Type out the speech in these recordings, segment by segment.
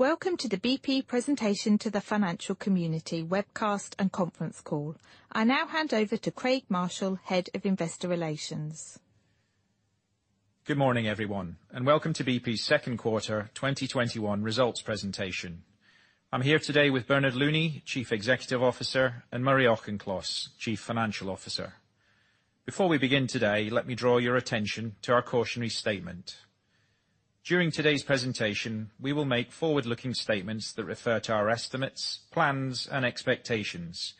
Welcome to the bp presentation to the financial community webcast and conference call. I now hand over to Craig Marshall, Head of Investor Relations. Good morning, everyone, and welcome to bp's second quarter 2021 results presentation. I'm here today with Bernard Looney, Chief Executive Officer, and Murray Auchincloss, Chief Financial Officer. Before we begin today, let me draw your attention to our cautionary statement. During today's presentation, we will make forward-looking statements that refer to our estimates, plans, and expectations.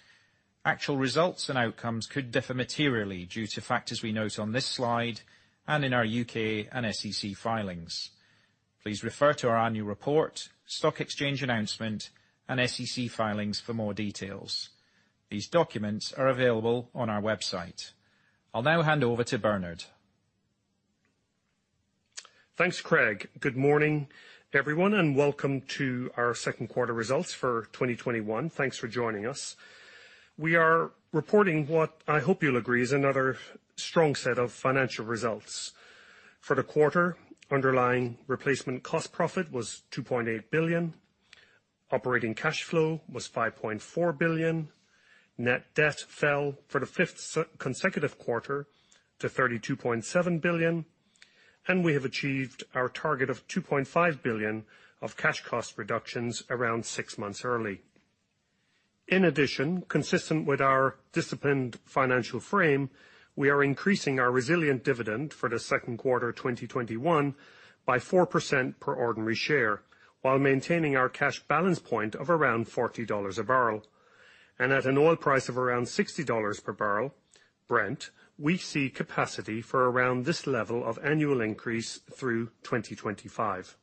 Actual results and outcomes could differ materially due to factors we note on this slide and in our U.K. and SEC filings. Please refer to our annual report, stock exchange announcement, and SEC filings for more details. These documents are available on our website. I'll now hand over to Bernard. Thanks, Craig. Good morning, everyone, welcome to our second quarter results for 2021. Thanks for joining us. We are reporting what I hope you'll agree is another strong set of financial results. For the quarter, underlying replacement cost profit was $2.8 billion, operating cash flow was $5.4 billion, net debt fell for the fifth consecutive quarter to $32.7 billion, and we have achieved our target of $2.5 billion of cash cost reductions around six months early. In addition, consistent with our disciplined financial frame, we are increasing our resilient dividend for the second quarter 2021 by 4% per ordinary share while maintaining our cash balance point of around $40 a barrel. At an oil price of around $60 per barrel, Brent, we see capacity for around this level of annual increase through 2025.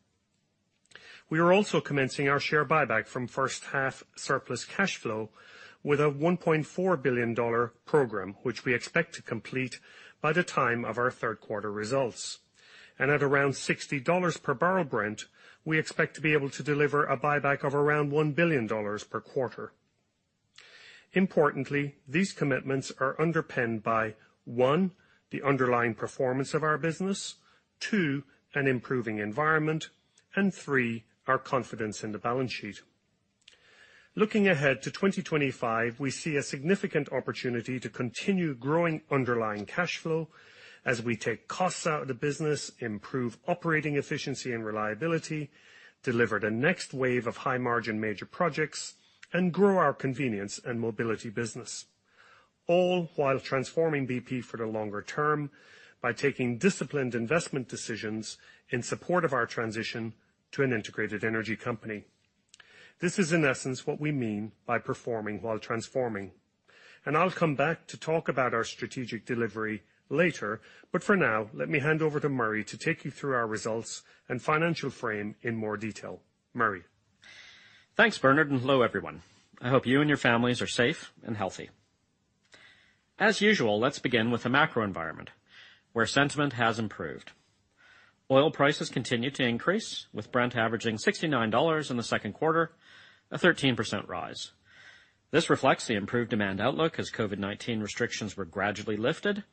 We are also commencing our share buyback from first-half surplus cash flow with a $1.4 billion program, which we expect to complete by the time of our third quarter results. At around $60 per barrel Brent, we expect to be able to deliver a buyback of around $1 billion per quarter. Importantly, these commitments are underpinned by, one, the underlying performance of our business, two, an improving environment, and three, our confidence in the balance sheet. Looking ahead to 2025, we see a significant opportunity to continue growing underlying cash flow as we take costs out of the business, improve operating efficiency and reliability, deliver the next wave of high-margin major projects, and grow our convenience and mobility business. All while transforming bp for the longer term by taking disciplined investment decisions in support of our transition to an integrated energy company. This is in essence what we mean by performing while transforming. I'll come back to talk about our strategic delivery later. For now, let me hand over to Murray to take you through our results and financial frame in more detail. Murray. Thanks, Bernard, and hello, everyone. I hope you and your families are safe and healthy. As usual, let's begin with the macro environment, where sentiment has improved. Oil prices continued to increase, with Brent averaging $69 in the second quarter, a 13% rise. This reflects the improved demand outlook as COVID-19 restrictions were gradually lifted,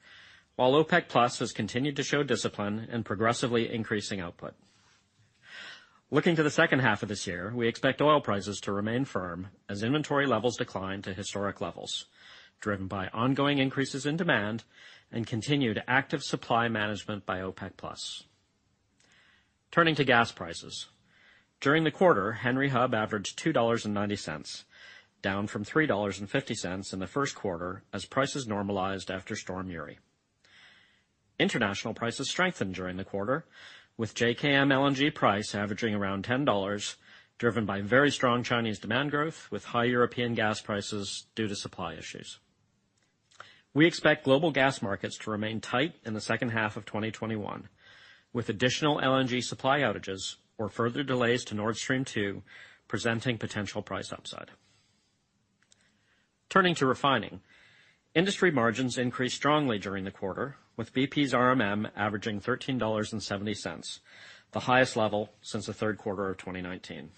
while OPEC+ has continued to show discipline and progressively increasing output. Looking to the second half of this year, we expect oil prices to remain firm as inventory levels decline to historic levels, driven by ongoing increases in demand and continued active supply management by OPEC+. Turning to gas prices. During the quarter, Henry Hub averaged $2.90, down from $3.50 in the first quarter, as prices normalized after Winter Storm Uri. International prices strengthened during the quarter, with JKM LNG price averaging around $10, driven by very strong Chinese demand growth, with high European gas prices due to supply issues. We expect global gas markets to remain tight in the second half of 2021, with additional LNG supply outages or further delays to Nord Stream 2 presenting potential price upside. Turning to refining. Industry margins increased strongly during the quarter, with bp's RMM averaging $13.70, the highest level since the third quarter of 2019.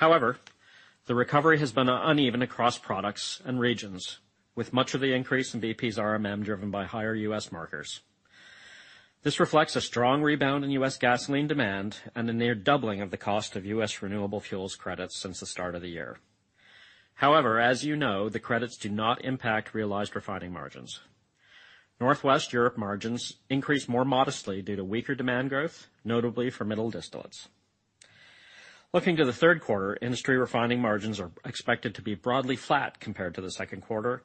The recovery has been uneven across products and regions, with much of the increase in bp's RMM driven by higher U.S. markers. This reflects a strong rebound in U.S. gasoline demand and a near doubling of the cost of U.S. renewable fuels credits since the start of the year. As you know, the credits do not impact realized refining margins. Northwest Europe margins increased more modestly due to weaker demand growth, notably for middle distillates. Looking to the third quarter, industry refining margins are expected to be broadly flat compared to the second quarter,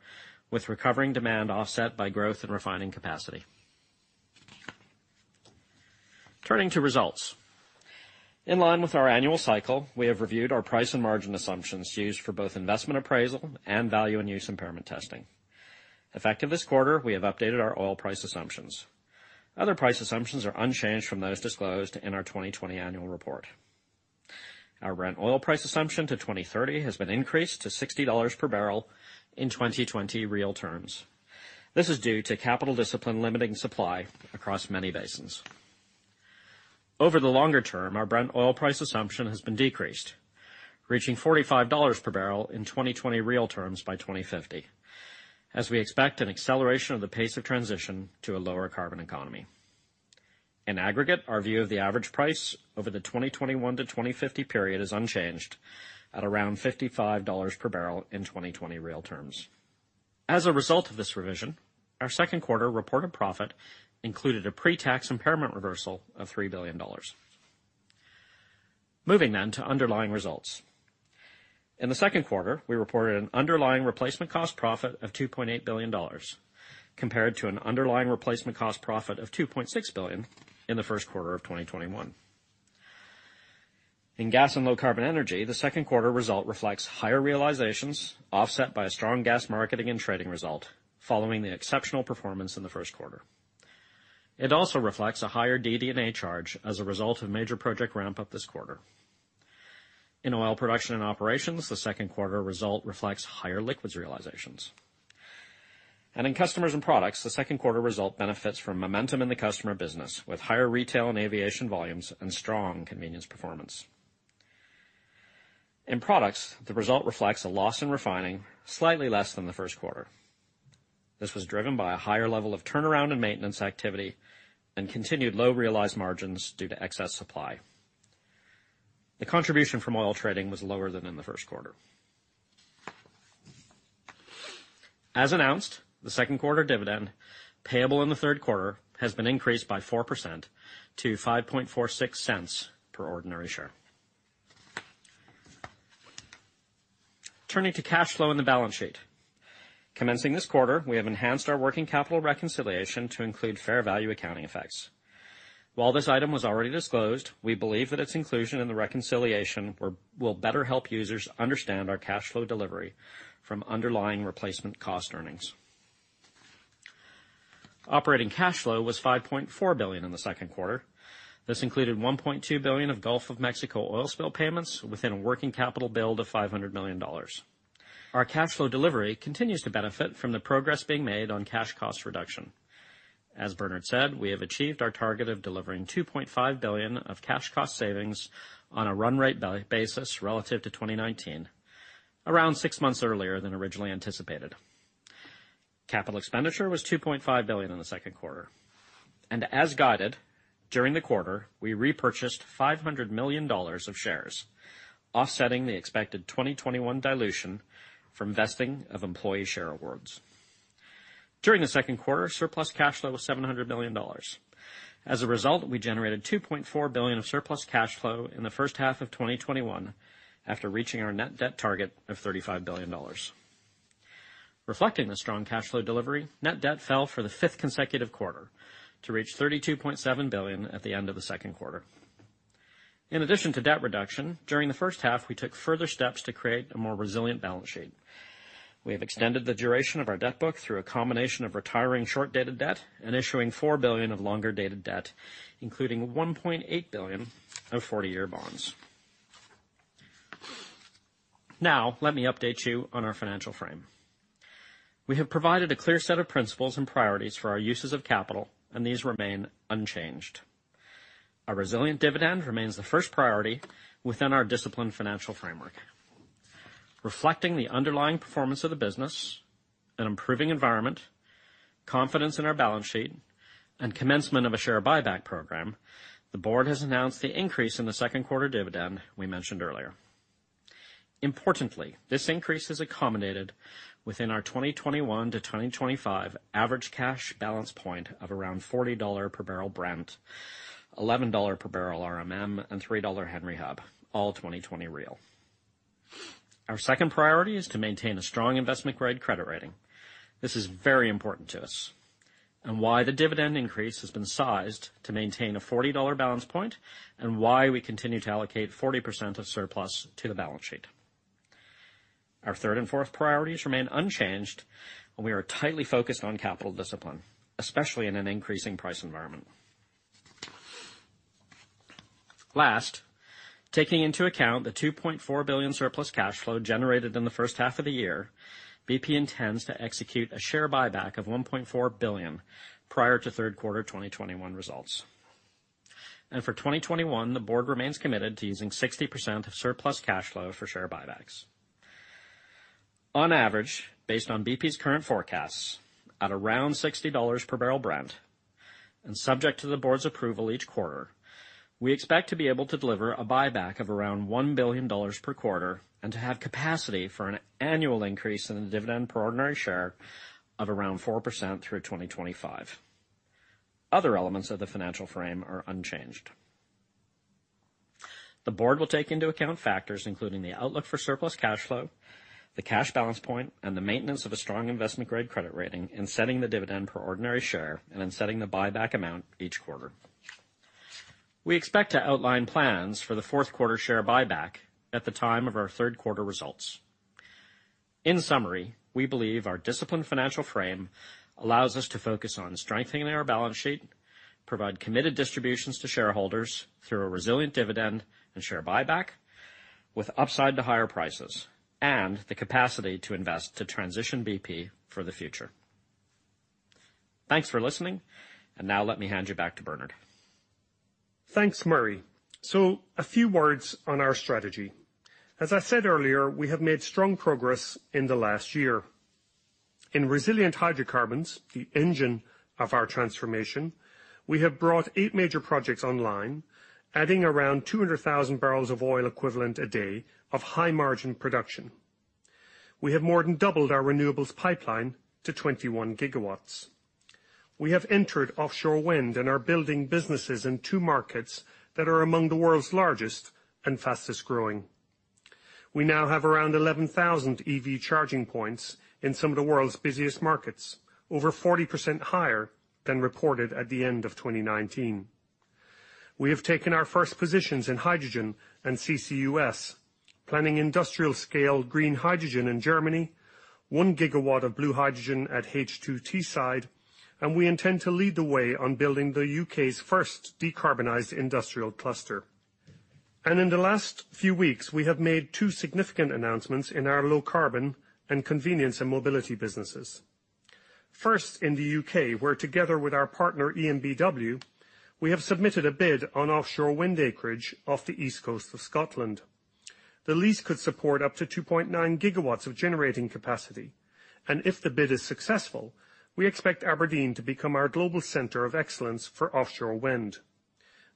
with recovering demand offset by growth in refining capacity. Turning to results. In line with our annual cycle, we have reviewed our price and margin assumptions used for both investment appraisal and value in use impairment testing. Effective this quarter, we have updated our oil price assumptions. Other price assumptions are unchanged from those disclosed in our 2020 annual report. Our Brent oil price assumption to 2030 has been increased to $60 per barrel in 2020 real terms. This is due to capital discipline limiting supply across many basins. Over the longer term, our Brent oil price assumption has been decreased, reaching $45 per barrel in 2020 real terms by 2050. We expect an acceleration of the pace of transition to a lower carbon economy. In aggregate, our view of the average price over the 2021 to 2050 period is unchanged at around $55 per barrel in 2020 real terms. A result of this revision, our second quarter reported profit included a pre-tax impairment reversal of $3 billion. Moving to underlying results. In the second quarter, we reported an underlying replacement cost profit of $2.8 billion, compared to an underlying replacement cost profit of $2.6 billion in the first quarter of 2021. In gas and low carbon energy, the second quarter result reflects higher realizations offset by a strong gas marketing and trading result following the exceptional performance in the first quarter. It also reflects a higher DD&A charge as a result of major project ramp up this quarter. In oil production and operations, the second quarter result reflects higher liquids realizations. In customers and products, the second quarter result benefits from momentum in the customer business with higher retail and aviation volumes and strong convenience performance. In products, the result reflects a loss in refining slightly less than the first quarter. This was driven by a higher level of turnaround and maintenance activity and continued low realized margins due to excess supply. The contribution from oil trading was lower than in the first quarter. As announced, the second quarter dividend payable in the third quarter has been increased by 4% to $0.0546 per ordinary share. Turning to cash flow in the balance sheet. Commencing this quarter, we have enhanced our working capital reconciliation to include fair value accounting effects. While this item was already disclosed, we believe that its inclusion in the reconciliation will better help users understand our cash flow delivery from underlying replacement cost earnings. Operating cash flow was $5.4 billion in the second quarter. This included $1.2 billion of Gulf of Mexico oil spill payments within a working capital build of $500 million. Our cash flow delivery continues to benefit from the progress being made on cash cost reduction. As Bernard said, we have achieved our target of delivering $2.5 billion of cash cost savings on a run rate basis relative to 2019, around six months earlier than originally anticipated. Capital expenditure was $2.5 billion in the second quarter. As guided, during the quarter, we repurchased $500 million of shares, offsetting the expected 2021 dilution from vesting of employee share awards. During the second quarter, surplus cash flow was $700 million. As a result, we generated $2.4 billion of surplus cash flow in the first half of 2021 after reaching our net debt target of $35 billion. Reflecting the strong cash flow delivery, net debt fell for the fifth consecutive quarter to reach $32.7 billion at the end of the second quarter. In addition to debt reduction, during the first half, we took further steps to create a more resilient balance sheet. We have extended the duration of our debt book through a combination of retiring short-dated debt and issuing $4 billion of longer-dated debt, including $1.8 billion of 40-year bonds. Now, let me update you on our financial frame. We have provided a clear set of principles and priorities for our uses of capital, and these remain unchanged. A resilient dividend remains the first priority within our disciplined financial framework. Reflecting the underlying performance of the business, an improving environment, confidence in our balance sheet, and commencement of a share buyback program, the board has announced the increase in the second quarter dividend we mentioned earlier. Importantly, this increase is accommodated within our 2021 to 2025 average cash balance point of around $40 per barrel Brent, $11 per barrel RMM, and $3 Henry Hub, all 2020 real. Our second priority is to maintain a strong investment-grade credit rating. This is very important to us, and why the dividend increase has been sized to maintain a $40 balance point, and why we continue to allocate 40% of surplus to the balance sheet. Our third and fourth priorities remain unchanged, and we are tightly focused on capital discipline, especially in an increasing price environment. Last, taking into account the $2.4 billion surplus cash flow generated in the first half of the year, BP intends to execute a share buyback of $1.4 billion prior to third quarter 2021 results. For 2021, the board remains committed to using 60% of surplus cash flow for share buybacks. On average, based on bp's current forecasts, at around $60 per barrel Brent, and subject to the board's approval each quarter, we expect to be able to deliver a buyback of around $1 billion per quarter and to have capacity for an annual increase in the dividend per ordinary share of around 4% through 2025. Other elements of the financial frame are unchanged. The board will take into account factors including the outlook for surplus cash flow, the cash balance point, and the maintenance of a strong investment-grade credit rating in setting the dividend per ordinary share and in setting the buyback amount each quarter. We expect to outline plans for the fourth quarter share buyback at the time of our third quarter results. In summary, we believe our disciplined financial frame allows us to focus on strengthening our balance sheet, provide committed distributions to shareholders through a resilient dividend and share buyback with upside to higher prices and the capacity to invest to transition bp for the future. Thanks for listening. Now let me hand you back to Bernard. Thanks, Murray. A few words on our strategy. As I said earlier, we have made strong progress in the last year. In resilient hydrocarbons, the engine of our transformation, we have brought eight major projects online, adding around 200,000 bbl of oil equivalent a day of high margin production. We have more than doubled our renewables pipeline to 21 GW. We have entered offshore wind and are building businesses in two markets that are among the world's largest and fastest-growing. We now have around 11,000 EV charging points in some of the world's busiest markets, over 40% higher than reported at the end of 2019. We have taken our first positions in hydrogen and CCUS, planning industrial-scale green hydrogen in Germany, 1 GW of blue hydrogen at H2Teesside, and we intend to lead the way on building the U.K.'s first decarbonized industrial cluster. In the last few weeks, we have made two significant announcements in our low carbon and convenience and mobility businesses. First, in the U.K., where together with our partner EnBW, we have submitted a bid on offshore wind acreage off the east coast of Scotland. The lease could support up to 2.9 GW of generating capacity, and if the bid is successful, we expect Aberdeen to become our global center of excellence for offshore wind.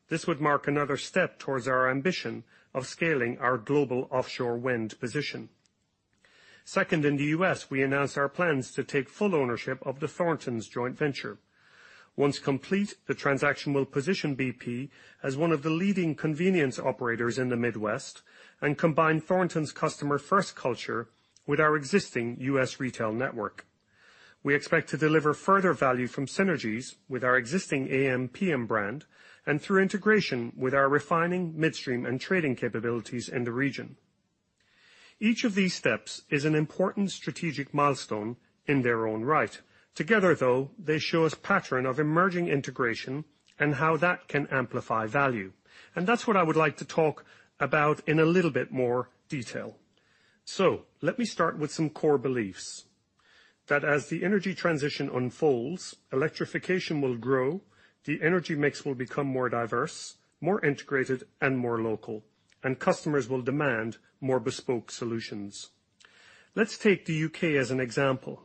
This would mark another step towards our ambition of scaling our global offshore wind position. Second, in the U.S., we announced our plans to take full ownership of the Thorntons joint venture. Once complete, the transaction will position bp as one of the leading convenience operators in the Midwest and combine Thorntons' customer-first culture with our existing U.S. retail network. We expect to deliver further value from synergies with our existing ampm brand and through integration with our refining midstream and trading capabilities in the region. Each of these steps is an important strategic milestone in their own right. Together, though, they show us pattern of emerging integration and how that can amplify value. That's what I would like to talk about in a little bit more detail. Let me start with some core beliefs. That as the energy transition unfolds, electrification will grow, the energy mix will become more diverse, more integrated, and more local, and customers will demand more bespoke solutions. Let's take the U.K. as an example.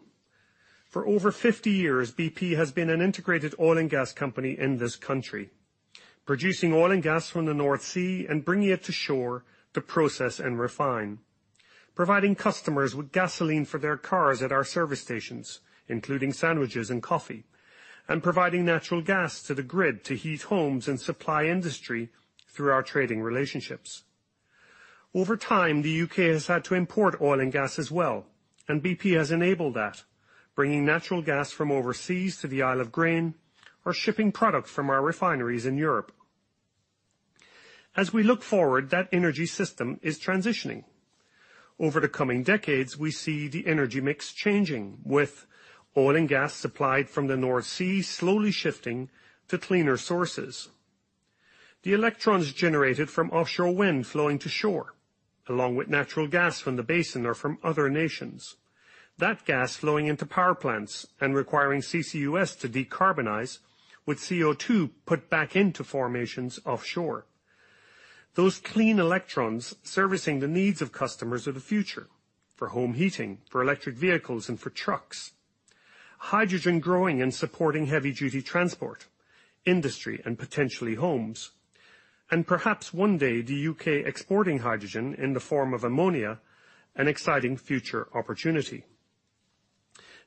For over 50 years, bp has been an integrated oil and gas company in this country, producing oil and gas from the North Sea and bringing it to shore to process and refine, providing customers with gasoline for their cars at our service stations, including sandwiches and coffee, and providing natural gas to the grid to heat homes and supply industry through our trading relationships. Over time, the U.K. has had to import oil and gas as well, bp has enabled that, bringing natural gas from overseas to the Isle of Grain or shipping products from our refineries in Europe. As we look forward, that energy system is transitioning. Over the coming decades, we see the energy mix changing, with oil and gas supplied from the North Sea slowly shifting to cleaner sources. The electrons generated from offshore wind flowing to shore, along with natural gas from the basin or from other nations. That gas flowing into power plants and requiring CCUS to decarbonize with CO2 put back into formations offshore. Those clean electrons servicing the needs of customers of the future for home heating, for electric vehicles, and for trucks. Hydrogen growing and supporting heavy-duty transport, industry, and potentially homes. Perhaps one day the U.K. exporting hydrogen in the form of ammonia, an exciting future opportunity.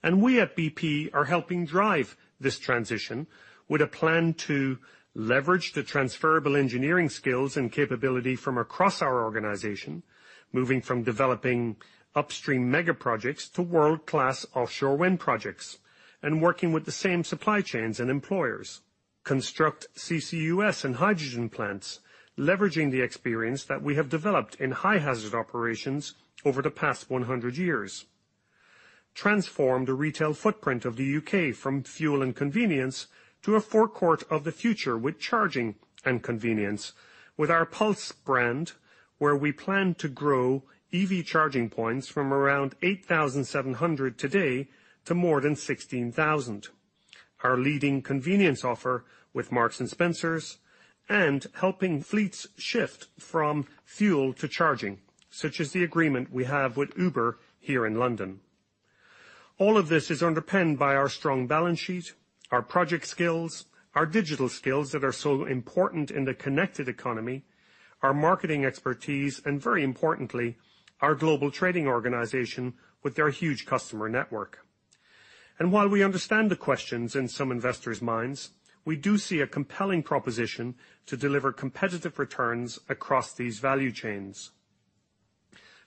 We at bp are helping drive this transition with a plan to leverage the transferable engineering skills and capability from across our organization, moving from developing upstream mega projects to world-class offshore wind projects and working with the same supply chains and employers. Construct CCUS and hydrogen plants, leveraging the experience that we have developed in high-hazard operations over the past 100 years. Transform the retail footprint of the U.K. from fuel and convenience to a forecourt of the future with charging and convenience with our bp pulse brand, where we plan to grow EV charging points from around 8,700 today to more than 16,000. Our leading convenience offer with Marks & Spencer, helping fleets shift from fuel to charging, such as the agreement we have with Uber here in London. All of this is underpinned by our strong balance sheet, our project skills, our digital skills that are so important in the connected economy, our marketing expertise, very importantly, our global trading organization with their huge customer network. While we understand the questions in some investors' minds, we do see a compelling proposition to deliver competitive returns across these value chains.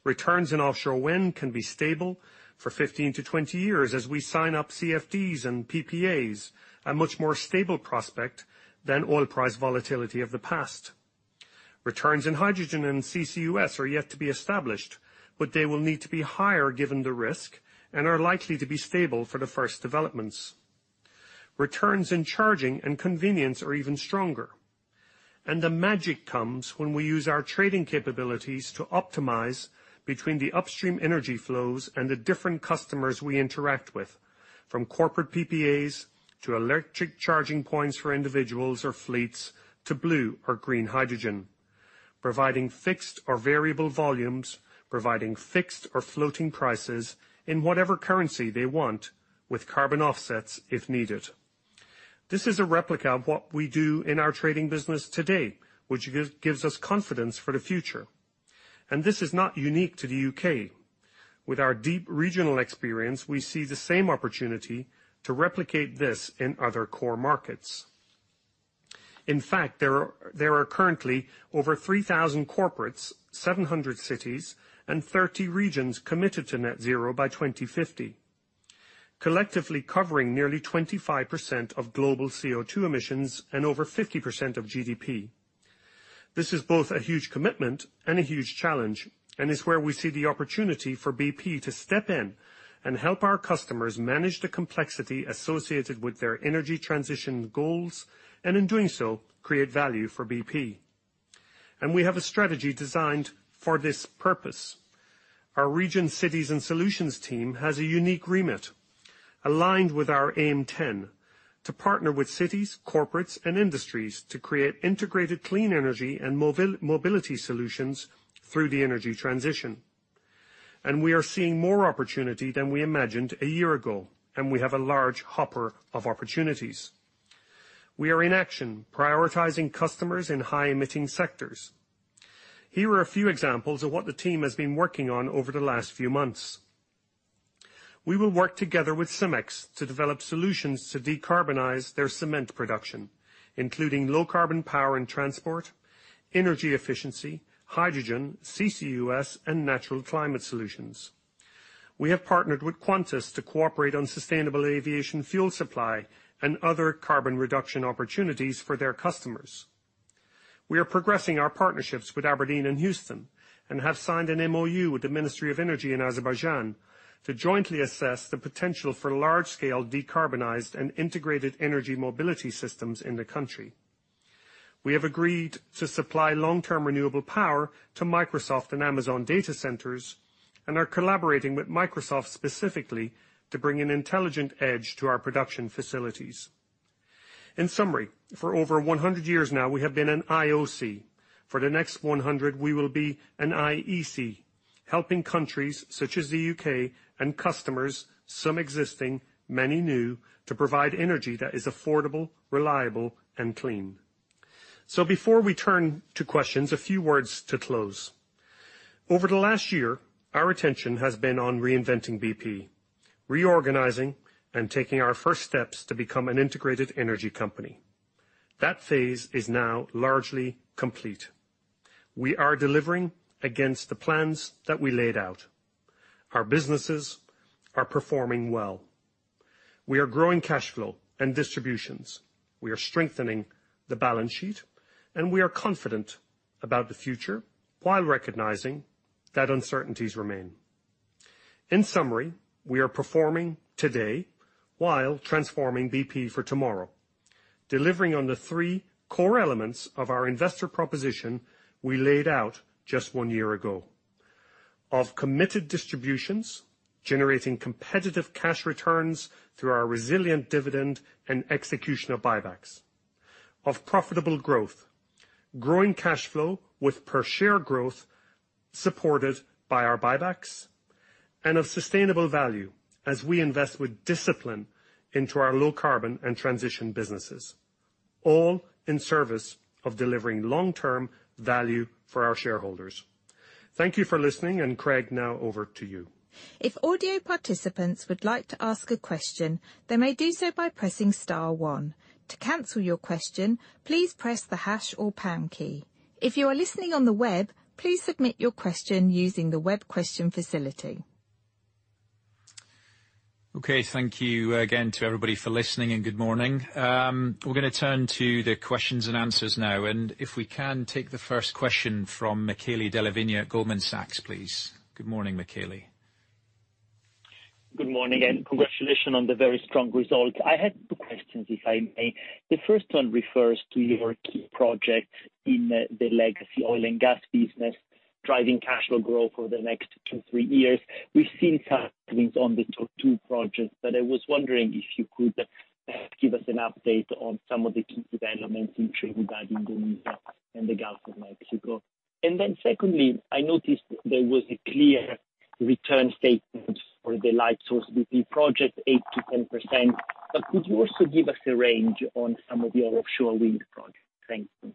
Returns in offshore wind can be stable for 15 to 20 years as we sign up CFDs and PPAs, a much more stable prospect than oil price volatility of the past. Returns in hydrogen and CCUS are yet to be established, but they will need to be higher given the risk and are likely to be stable for the first developments. Returns in charging and convenience are even stronger. The magic comes when we use our trading capabilities to optimize between the upstream energy flows and the different customers we interact with, from corporate PPAs, to electric charging points for individuals or fleets, to blue or green hydrogen. Providing fixed or variable volumes, providing fixed or floating prices in whatever currency they want with carbon offsets if needed. This is a replica of what we do in our trading business today, which gives us confidence for the future. This is not unique to the U.K. With our deep regional experience, we see the same opportunity to replicate this in other core markets. In fact, there are currently over 3,000 corporates, 700 cities, and 30 regions committed to net zero by 2050, collectively covering nearly 25% of global CO2 emissions and over 50% of GDP. This is both a huge commitment and a huge challenge, and it's where we see the opportunity for bp to step in and help our customers manage the complexity associated with their energy transition goals, and in doing so, create value for bp. We have a strategy designed for this purpose. Our region cities and solutions team has a unique remit, aligned with our Aim 10, to partner with cities, corporates, and industries to create integrated clean energy and mobility solutions through the energy transition. We are seeing more opportunity than we imagined a year ago, and we have a large hopper of opportunities. We are in action, prioritizing customers in high-emitting sectors. Here are a few examples of what the team has been working on over the last few months. We will work together with Cemex to develop solutions to decarbonize their cement production, including low-carbon power and transport, energy efficiency, hydrogen, CCUS, and natural climate solutions. We have partnered with Qantas to cooperate on sustainable aviation fuel supply and other carbon reduction opportunities for their customers. We are progressing our partnerships with Aberdeen and Houston and have signed an MoU with the Ministry of Energy in Azerbaijan to jointly assess the potential for large-scale decarbonized and integrated energy mobility systems in the country. We have agreed to supply long-term renewable power to Microsoft and Amazon data centers and are collaborating with Microsoft specifically to bring an intelligent edge to our production facilities. In summary, for over 100 years now, we have been an IOC. For the next 100, we will be an IEC, helping countries such as the U.K. and customers, some existing, many new, to provide energy that is affordable, reliable, and clean. Before we turn to questions, a few words to close. Over the last year, our attention has been on reinventing bp, reorganizing, and taking our first steps to become an integrated energy company. That phase is now largely complete. We are delivering against the plans that we laid out. Our businesses are performing well. We are growing cash flow and distributions. We are strengthening the balance sheet, and we are confident about the future while recognizing that uncertainties remain. In summary, we are performing today while transforming bp for tomorrow, delivering on the three core elements of our investor proposition we laid out just one year ago. Of committed distributions, generating competitive cash returns through our resilient dividend and execution of buybacks. Of profitable growth, growing cash flow with per share growth supported by our buybacks, and of sustainable value, as we invest with discipline into our low carbon and transition businesses, all in service of delivering long-term value for our shareholders. Thank you for listening, and Craig, now over to you. If audio participants would like to ask a question, they may do so by pressing star one. To cancel your question, please press the hash or pound key. If you are listening on the web, please submit your question using the web question facility. Okay, thank you again to everybody for listening and good morning. We're going to turn to the questions and answers now. If we can take the first question from Michele Della Vigna at Goldman Sachs, please. Good morning, Michele. Good morning and congratulations on the very strong results. I had two questions, if I may. The first one refers to your key projects in the legacy oil and gas business, driving cash flow growth over the next two, three years. We've seen cutbacks on the top two projects, but I was wondering if you could give us an update on some of the key developments in Trinidad and Tobago and the Gulf of Mexico. Secondly, I noticed there was a clear return statement for the Lightsource bp project, 8%-10%, but could you also give us a range on some of your offshore wind projects? Thank you.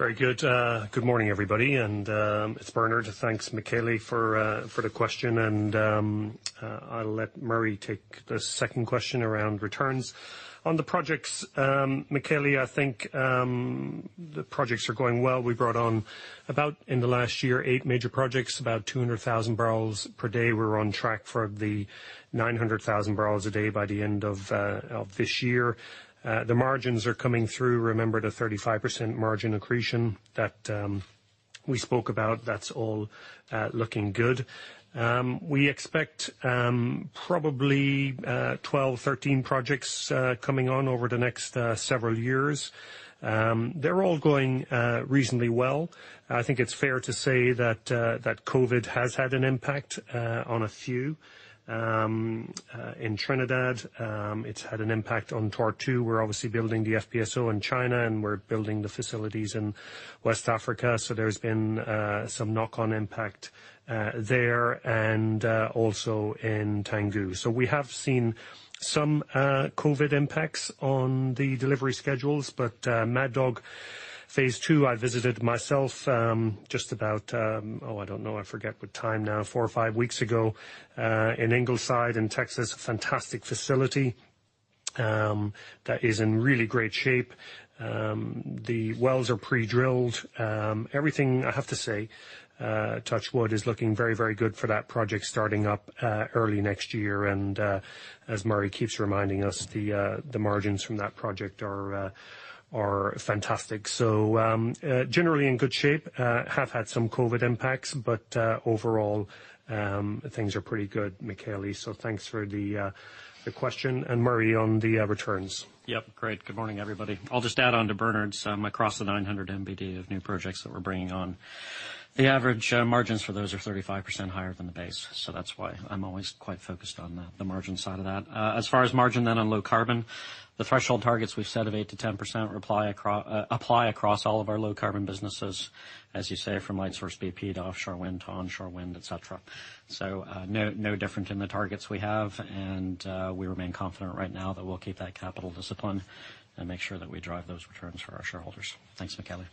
Very good. Good morning, everybody. It's Bernard. Thanks, Michele, for the question. I'll let Murray take the second question around returns. On the projects, Michele, I think the projects are going well. We brought on about, in the last year, eight major projects. About 200,000 bpd. We're on track for the 900,000 bpd by the end of this year. The margins are coming through. Remember the 35% margin accretion we spoke about that's all looking good. We expect probably 12, 13 projects coming on over the next several years. They're all going reasonably well. I think it's fair to say that COVID has had an impact on a few. In Trinidad, it's had an impact on Tor II. We're obviously building the FPSO in China, and we're building the facilities in West Africa. There's been some knock-on impact there and also in Tangguh. We have seen some COVID impacts on the delivery schedules, but Mad Dog phase II, I visited myself just about, oh, I don't know, I forget what time now, four or five weeks ago, in Ingleside in Texas. A fantastic facility that is in really great shape. The wells are pre-drilled. Everything, I have to say, touch wood, is looking very good for that project starting up early next year. As Murray keeps reminding us, the margins from that project are fantastic. Generally in good shape. Have had some COVID impacts, but overall things are pretty good, Michele. Thanks for the question. Murray, on the returns. Yep. Great. Good morning, everybody. I'll just add on to Bernard's across the 900 MBD of new projects that we're bringing on. The average margins for those are 35% higher than the base. That's why I'm always quite focused on the margin side of that. As far as margin then on low carbon, the threshold targets we've set of 8%-10% apply across all of our low-carbon businesses, as you say, from Lightsource bp to offshore wind to onshore wind, et cetera. No different in the targets we have. We remain confident right now that we'll keep that capital discipline and make sure that we drive those returns for our shareholders. Thanks, Michele.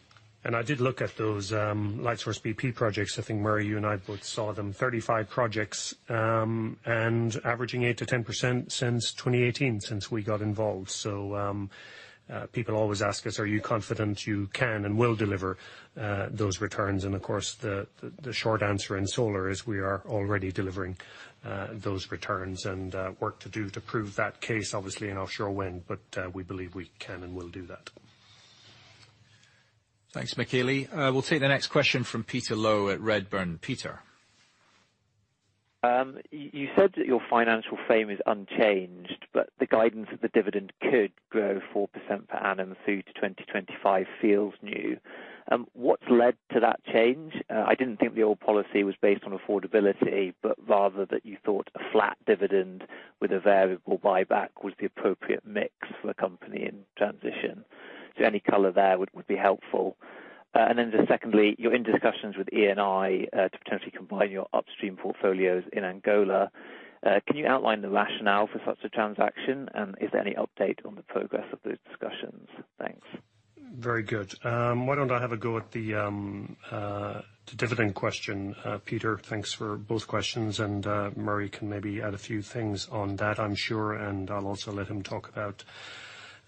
I did look at those Lightsource bp projects. I think, Murray, you and I both saw them. 35 projects, averaging 8%-10% since 2018, since we got involved. People always ask us, "Are you confident you can and will deliver those returns?" Of course, the short answer in solar is we are already delivering those returns, and work to do to prove that case, obviously in offshore wind. We believe we can and will do that. Thanks, Michele. We'll take the next question from Peter Low at Redburn. Peter. You said that your financial frame is unchanged, but the guidance that the dividend could grow 4% per annum through to 2025 feels new. What's led to that change? I didn't think the old policy was based on affordability, but rather that you thought a flat dividend with a variable buyback was the appropriate mix for the company in transition. Any color there would be helpful. Just secondly, you're in discussions with Eni to potentially combine your upstream portfolios in Angola. Can you outline the rationale for such a transaction? Is there any update on the progress of those discussions? Thanks. Very good. Why don't I have a go at the dividend question, Peter? Thanks for both questions. Murray can maybe add a few things on that, I'm sure, and I'll also let him talk about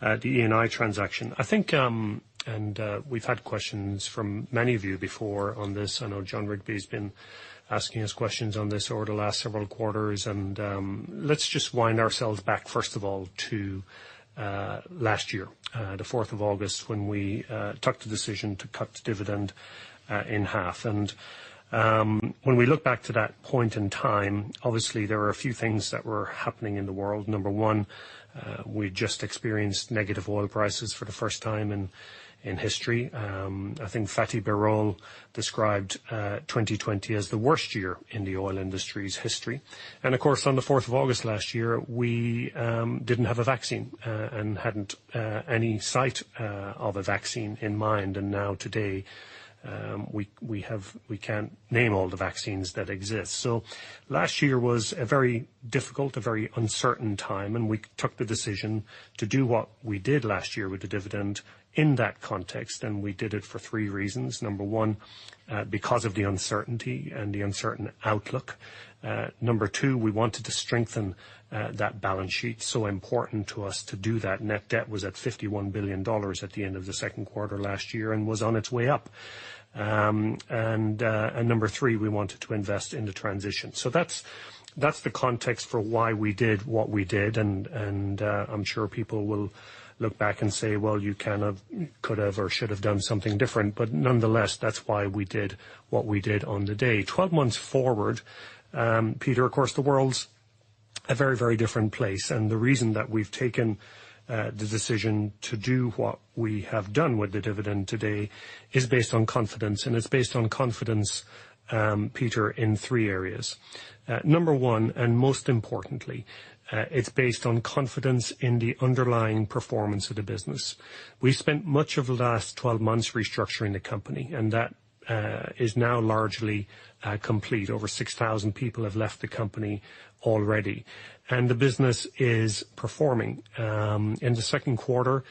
the Eni transaction. I think, we've had questions from many of you before on this. I know Jon Rigby has been asking us questions on this over the last several quarters. Let's just wind ourselves back, first of all, to last year, the August 4th, when we took the decision to cut the dividend in half. When we look back to that point in time, obviously there were a few things that were happening in the world. Number one, we just experienced negative oil prices for the first time in history. I think Fatih Birol described 2020 as the worst year in the oil industry's history. Of course, on the August 4th last year, we didn't have a vaccine and hadn't any sight of a vaccine in mind. Now today, we can name all the vaccines that exist. Last year was a very difficult, a very uncertain time, and we took the decision to do what we did last year with the dividend in that context. We did it for three reasons. Number one, because of the uncertainty and the uncertain outlook. Number two, we wanted to strengthen that balance sheet. Important to us to do that. Net debt was at $51 billion at the end of the second quarter last year and was on its way up. Number three, we wanted to invest in the transition. That's the context for why we did what we did. I'm sure people will look back and say, "Well, you kind of, could have or should have done something different." Nonetheless, that's why we did what we did on the day. 12 months forward, Peter, of course, the world's a very different place. The reason that we've taken the decision to do what we have done with the dividend today is based on confidence. It's based on confidence, Peter, in three areas. Number one, and most importantly, it's based on confidence in the underlying performance of the business. We spent much of the last 12 months restructuring the company, and that is now largely complete. Over 6,000 people have left the company already. The business is performing. In the second quarter,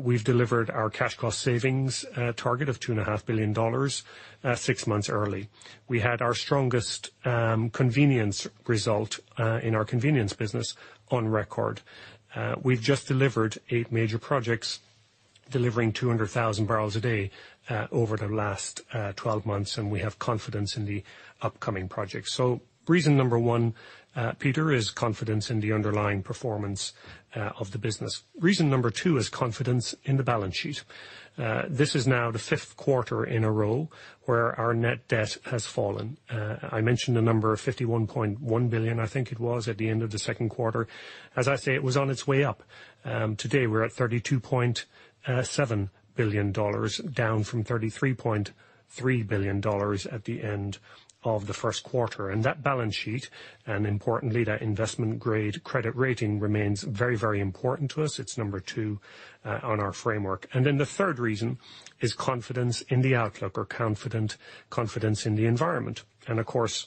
we've delivered our cash cost savings target of $2.5 billion six months early. We had our strongest convenience result in our convenience business on record. We've just delivered eight major projects, delivering 200,000 bpd over the last 12 months. We have confidence in the upcoming projects. Reason number one, Peter, is confidence in the underlying performance of the business. Reason number two is confidence in the balance sheet. This is now the fifth quarter in a row where our net debt has fallen. I mentioned a number of $51.1 billion, I think it was, at the end of the second quarter. As I say, it was on its way up. Today, we're at $32.7 billion, down from $33.3 billion at the end of the first quarter. That balance sheet, and importantly, that investment-grade credit rating remains very, very important to us. It's number two on our framework. The third reason is confidence in the outlook or confidence in the environment. Of course,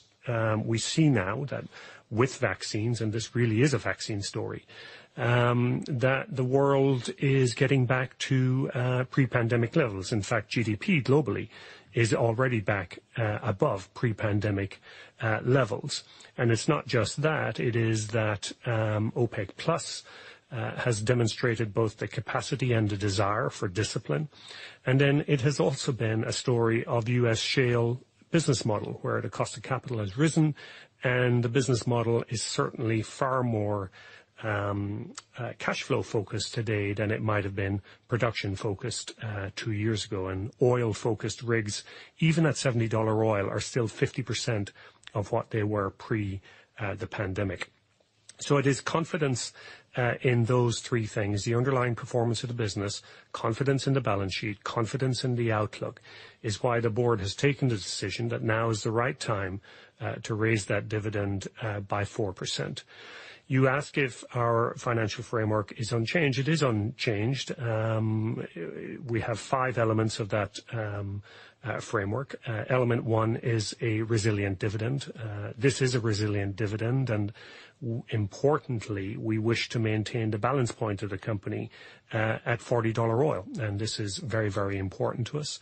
we see now that with vaccines, and this really is a vaccine story, that the world is getting back to pre-pandemic levels. In fact, GDP globally is already back above pre-pandemic levels. It's not just that, it is that OPEC+ has demonstrated both the capacity and the desire for discipline. It has also been a story of U.S. shale business model, where the cost of capital has risen and the business model is certainly far more cash flow-focused today than it might have been production-focused two years ago. Oil-focused rigs, even at $70 oil, are still 50% of what they were pre the pandemic. It is confidence in those three things. The underlying performance of the business, confidence in the balance sheet, confidence in the outlook is why the board has taken the decision that now is the right time to raise that dividend by 4%. You ask if our financial framework is unchanged. It is unchanged. We have five elements of that framework. Element one is a resilient dividend. This is a resilient dividend. Importantly, we wish to maintain the balance point of the company at $40 oil. This is very, very important to us.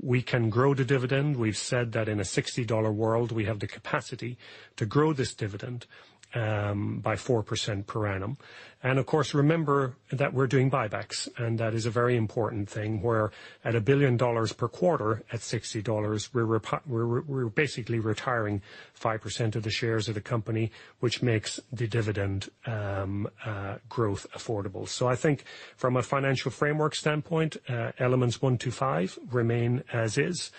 We can grow the dividend. We've said that in a $60 world, we have the capacity to grow this dividend by 4% per annum. Of course, remember that we're doing buybacks, and that is a very important thing where at $1 billion per quarter at $60, we're basically retiring 5% of the shares of the company, which makes the dividend growth affordable. I think from a financial framework standpoint, elements one to five remain as is.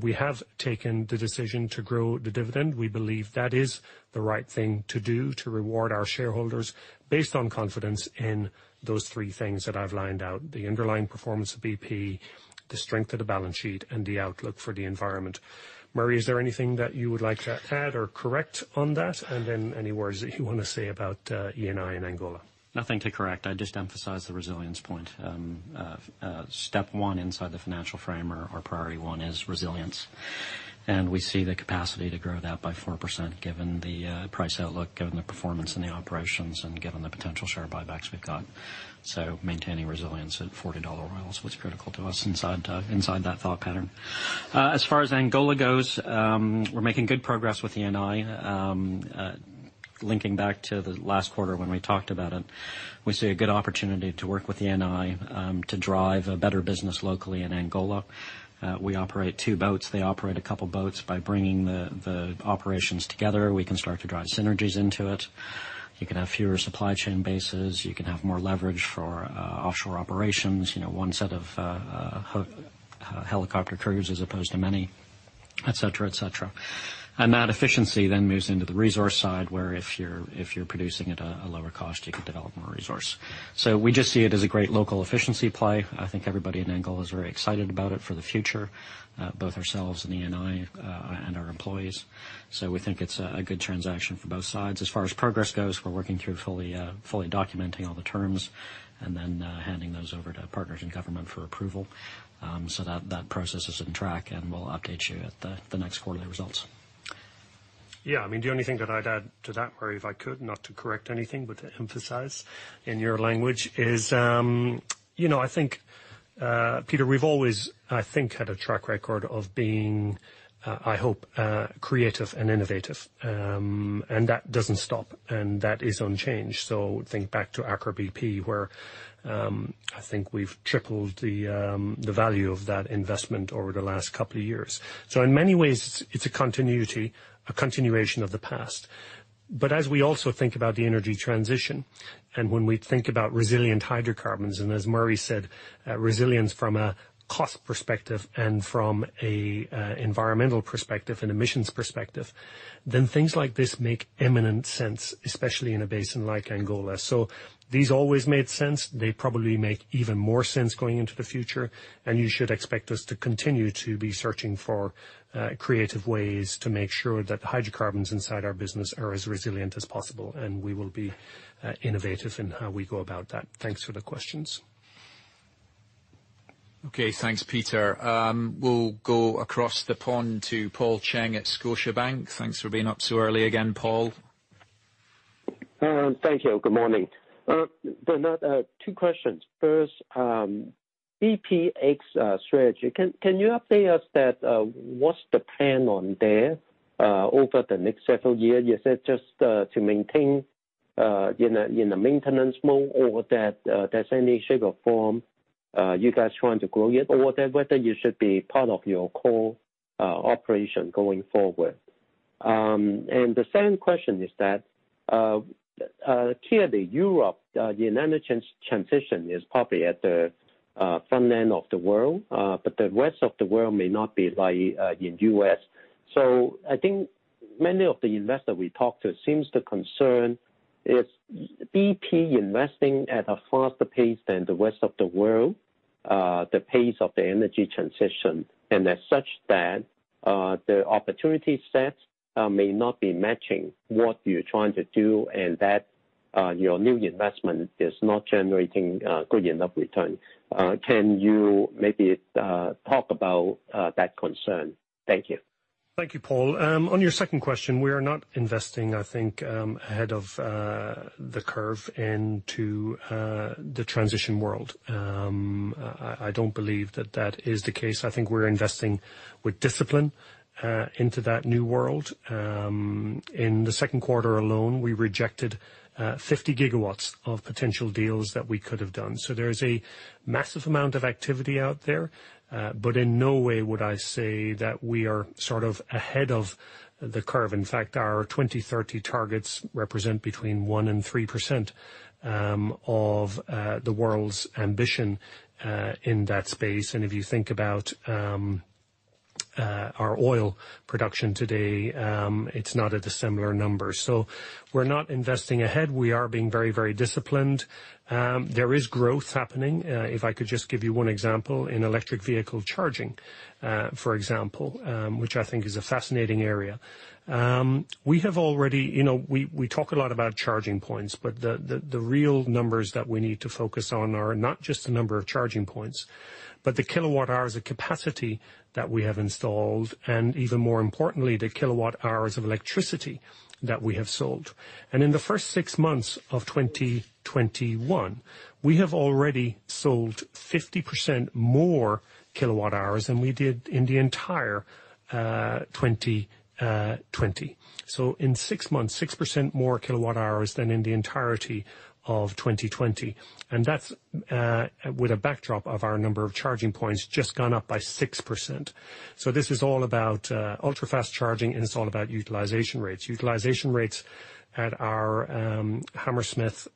We have taken the decision to grow the dividend. We believe that is the right thing to do to reward our shareholders based on confidence in those three things that I've lined out, the underlying performance of bp, the strength of the balance sheet, and the outlook for the environment. Murray, is there anything that you would like to add or correct on that? Then any words that you want to say about Eni and Angola? Nothing to correct. I'd just emphasize the resilience point. Step one inside the financial frame or priority one is resilience. We see the capacity to grow that by 4%, given the price outlook, given the performance in the operations, and given the potential share buybacks we've got. Maintaining resilience at $40 oil is what's critical to us inside that thought pattern. As far as Angola goes, we're making good progress with Eni. Linking back to the last quarter when we talked about it, we see a good opportunity to work with Eni to drive a better business locally in Angola. We operate two boats. They operate a couple boats. By bringing the operations together, we can start to drive synergies into it. You can have fewer supply chain bases. You can have more leverage for offshore operations. one set of helicopter carriers as opposed to many, etc. That efficiency moves into the resource side, where if you're producing at a lower cost, you can develop more resource. We just see it as a great local efficiency play. I think everybody in Angola is very excited about it for the future, both ourselves and Eni, and our employees. We think it's a good transaction for both sides. As far as progress goes, we're working through fully documenting all the terms and then handing those over to partners in government for approval. That process is in track, and we'll update you at the next quarterly results. Yeah. The only thing that I'd add to that, Murray, if I could, not to correct anything, but to emphasize in your language is, I think, Peter, we've always, I think, had a track record of being, I hope, creative and innovative. That doesn't stop, and that is unchanged. Think back to Aker BP, where I think we've tripled the value of that investment over the last couple of years. In many ways, it's a continuity, a continuation of the past. As we also think about the energy transition and when we think about resilient hydrocarbons, and as Murray said, resilience from a cost perspective and from an environmental perspective and emissions perspective, then things like this make eminent sense, especially in a basin like Angola. These always made sense. They probably make even more sense going into the future, you should expect us to continue to be searching for creative ways to make sure that hydrocarbons inside our business are as resilient as possible. We will be innovative in how we go about that. Thanks for the questions. Okay. Thanks, Peter. We'll go across the pond to Paul Cheng at Scotiabank. Thanks for being up so early again, Paul. Thank you. Good morning. Bernard, two questions. First, bpx strategy. Can you update us that what's the plan on there over the next several years? Is it just to maintain in the maintenance mode or that there's any shape or form you guys trying to grow it or whether you should be part of your core operation going forward? The second question is that, clearly Europe, the energy transition is probably at the front end of the world, but the rest of the world may not be like in U.S. I think many of the investors we talk to seems the concern is bp investing at a faster pace than the rest of the world, the pace of the energy transition, and as such that the opportunity set may not be matching what you're trying to do and that your new investment is not generating good enough return. Can you maybe talk about that concern? Thank you. Thank you, Paul. On your second question, we are not investing, I think, ahead of the curve into the transition world. I don't believe that that is the case. I think we're investing with discipline into that new world. In the second quarter alone, we rejected 50 GW of potential deals that we could have done. There is a massive amount of activity out there. In no way would I say that we are sort of ahead of the curve. In fact, our 2030 targets represent between 1% and 3% of the world's ambition in that space. If you think about our oil production today, it's not at a similar number. We're not investing ahead. We are being very disciplined. There is growth happening. If I could just give you one example, in electric vehicle charging, for example, which I think is a fascinating area. We talk a lot about charging points, the real numbers that we need to focus on are not just the number of charging points, but the kilowatt hours of capacity that we have installed, and even more importantly, the kilowatt hours of electricity that we have sold. In the first six months of 2021, we have already sold 50% more kilowatt hours than we did in the entire 2020. In 6 months, 6% more kilowatt hours than in the entirety of 2020. That's with a backdrop of our number of charging points just gone up by 6%. This is all about ultra-fast charging, and it's all about utilization rates. Utilization rates at our Hammersmith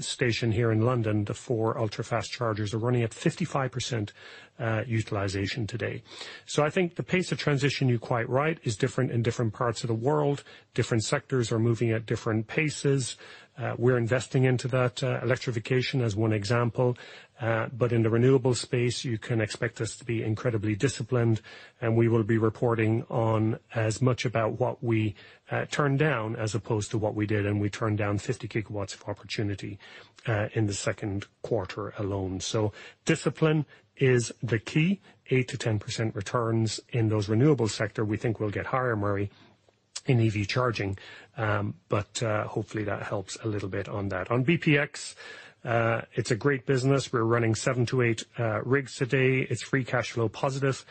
station here in London, the four ultra-fast chargers are running at 55% utilization today. I think the pace of transition, you're quite right, is different in different parts of the world. Different sectors are moving at different paces. We're investing into that. Electrification as one example. In the renewable space, you can expect us to be incredibly disciplined, and we will be reporting on as much about what we turned down as opposed to what we did, and we turned down 50 GW of opportunity in the second quarter alone. Discipline is the key. 8%-10% returns in those renewable sector. We think we'll get higher, Murray, in EV charging. Hopefully that helps a little bit on that. On bpx, it's a great business. We're running seven to eight rigs today. It's free cash flow positive.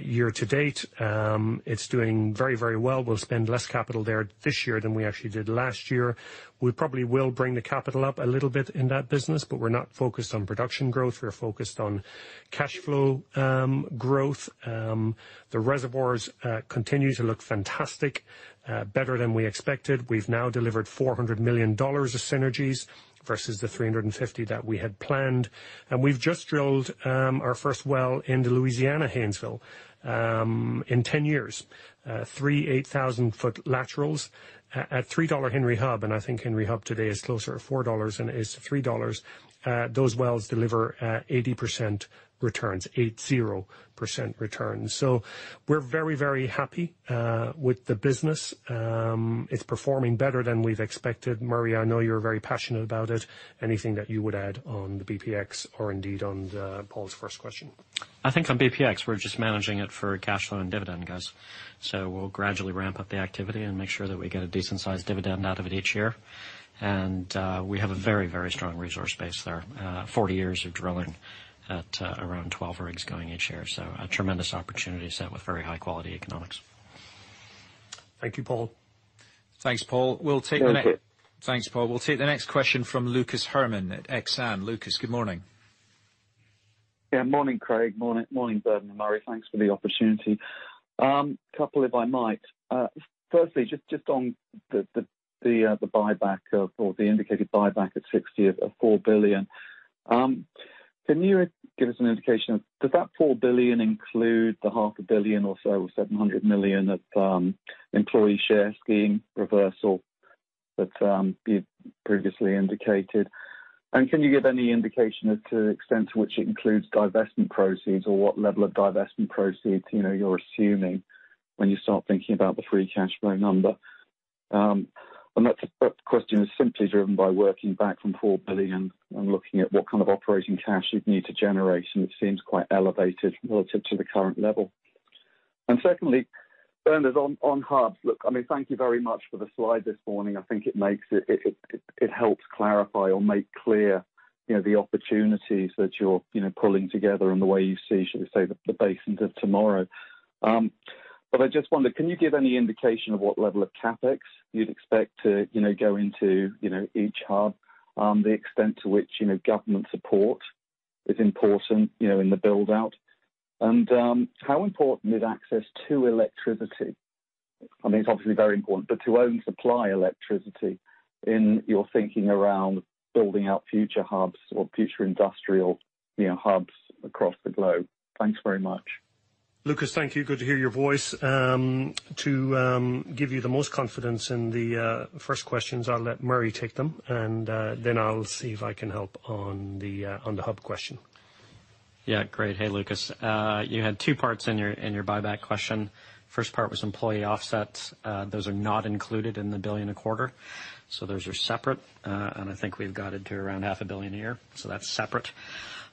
Year to date, it's doing very well. We'll spend less capital there this year than we actually did last year. We probably will bring the capital up a little bit in that business. We're not focused on production growth. We're focused on cash flow growth. The reservoirs continue to look fantastic, better than we expected. We've now delivered $400 million of synergies versus the $350 that we had planned. We've just drilled our first well in the Louisiana Haynesville in 10 years. Three 8,000-foot laterals at $3 Henry Hub. I think Henry Hub today is closer to $4 than it is to $3. Those wells deliver at 80% returns, eight, zero percent returns. We're very happy with the business. It's performing better than we've expected. Murray, I know you're very passionate about it. Anything that you would add on the bpx or indeed on Paul's first question? I think on bpx, we're just managing it for cash flow and dividend, guys. We'll gradually ramp up the activity and make sure that we get a decent sized dividend out of it each year. We have a very strong resource base there. 40 years of drilling at around 12 rigs going each year. A tremendous opportunity set with very high-quality economics. Thank you, Paul. Thanks, Paul. Okay. Thanks, Paul. We'll take the next question from Lucas Herrmann at Exane. Lucas, good morning. Yeah, morning, Craig. Morning, Bernard and Murray. Thanks for the opportunity. Couple, if I might. Firstly, just on the indicated buyback at 60 of $4 billion. Can you give us an indication of, does that $4 billion include the half a billion or so, $700 million of employee share scheme reversal that you previously indicated? Can you give any indication as to the extent to which it includes divestment proceeds or what level of divestment proceeds you're assuming when you start thinking about the free cash flow number? That question is simply driven by working back from $4 billion and looking at what kind of operating cash you'd need to generate, and it seems quite elevated relative to the current level. Secondly, Bernard, on hubs. Look, thank you very much for the slide this morning. I think it helps clarify or make clear the opportunities that you're pulling together and the way you see, should we say, the basins of tomorrow. I just wonder, can you give any indication of what level of CapEx you'd expect to go into each hub? The extent to which government support is important in the build-out? How important is access to electricity? It's obviously very important, but to own supply electricity in your thinking around building out future hubs or future industrial hubs across the globe. Thanks very much. Lucas, thank you. Good to hear your voice. To give you the most confidence in the first questions, I will let Murray take them, and then I will see if I can help on the hub question. Great. Hey, Lucas. You had two parts in your buyback question. First part was employee offsets. Those are not included in the $1 billion a quarter. Those are separate. I think we've guided to around half a billion a year, that's separate.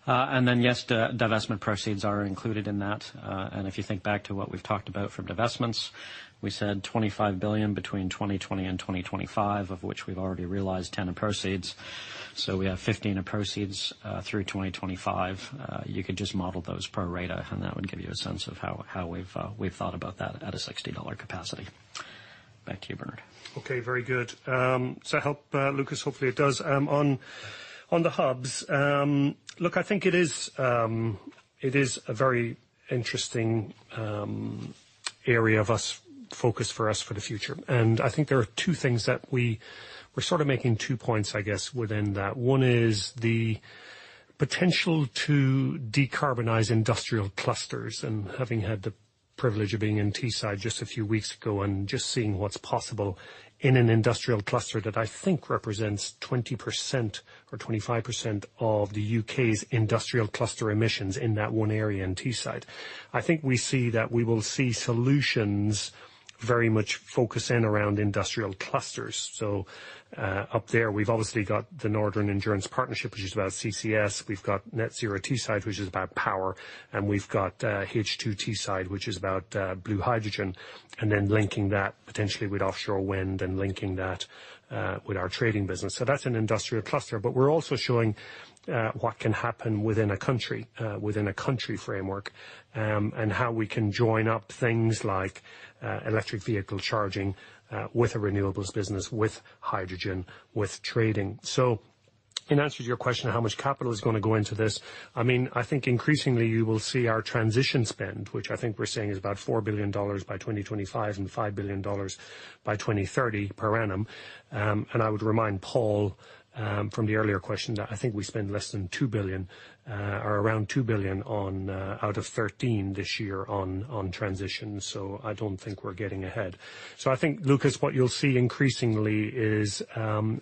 Yes, divestment proceeds are included in that. If you think back to what we've talked about from divestments, we said $25 billion between 2020 and 2025, of which we've already realized $10 billion in proceeds. We have $15 billion in proceeds through 2025. You could just model those pro rata, and that would give you a sense of how we've thought about that at a $60 capacity. Back to you, Bernard. Okay, very good. Does that help Lucas? Hopefully it does. On the hubs. I think it is a very interesting area of focus for us for the future. I think there are two things that we're sort of making two points, I guess, within that. One is the potential to decarbonize industrial clusters, and having had the privilege of being in Teesside just a few weeks ago and just seeing what's possible in an industrial cluster that I think represents 20% or 25% of the U.K.'s industrial cluster emissions in that one area in Teesside. I think we see that we will see solutions very much focused in around industrial clusters. Up there we've obviously got the Northern Endurance Partnership, which is about CCS. We've got Net Zero Teesside, which is about power, and we've got H2Teesside, which is about blue hydrogen, and then linking that potentially with offshore wind and linking that with our trading business. That's an industrial cluster. We're also showing what can happen within a country framework, and how we can join up things like electric vehicle charging with a renewables business, with hydrogen, with trading. In answer to your question, how much capital is going to go into this? I think increasingly you will see our transition spend, which I think we're saying is about $4 billion by 2025 and $5 billion by 2030 per annum. I would remind Paul, from the earlier question, that I think we spend less than $2 billion or around $2 billion out of $13 billion this year on transition. I don't think we're getting ahead. I think, Lucas, what you'll see increasingly is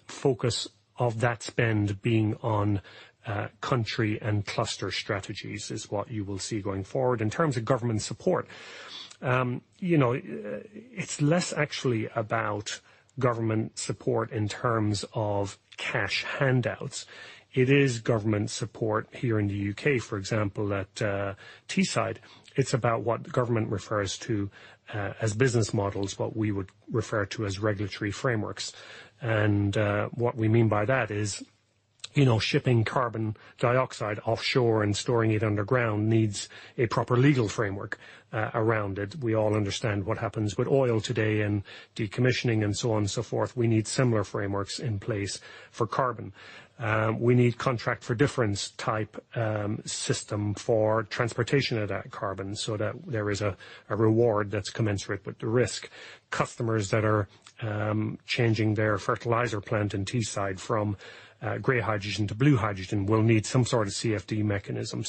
focus of that spend being on country and cluster strategies, is what you will see going forward. In terms of government support, it's less actually about government support in terms of cash handouts. It is government support here in the U.K., for example, at Teesside. It's about what the government refers to as business models, what we would refer to as regulatory frameworks. What we mean by that is shipping carbon dioxide offshore and storing it underground needs a proper legal framework around it. We all understand what happens with oil today and decommissioning and so on and so forth. We need similar frameworks in place for carbon. We need contract for difference type system for transportation of that carbon so that there is a reward that's commensurate with the risk. Customers that are changing their fertilizer plant in Teesside from gray hydrogen to blue hydrogen will need some sort of CFD mechanism.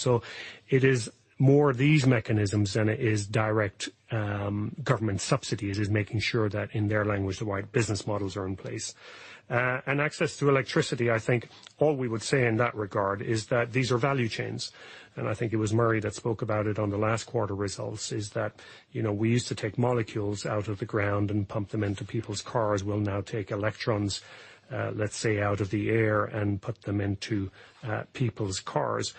It is more these mechanisms than it is direct government subsidies. It is making sure that in their language, the right business models are in place. Access to electricity, I think all we would say in that regard is that these are value chains. I think it was Murray that spoke about it on the last quarter results, is that we used to take molecules out of the ground and pump them into people's cars. We'll now take electrons, let's say, out of the air and put them into people's cars.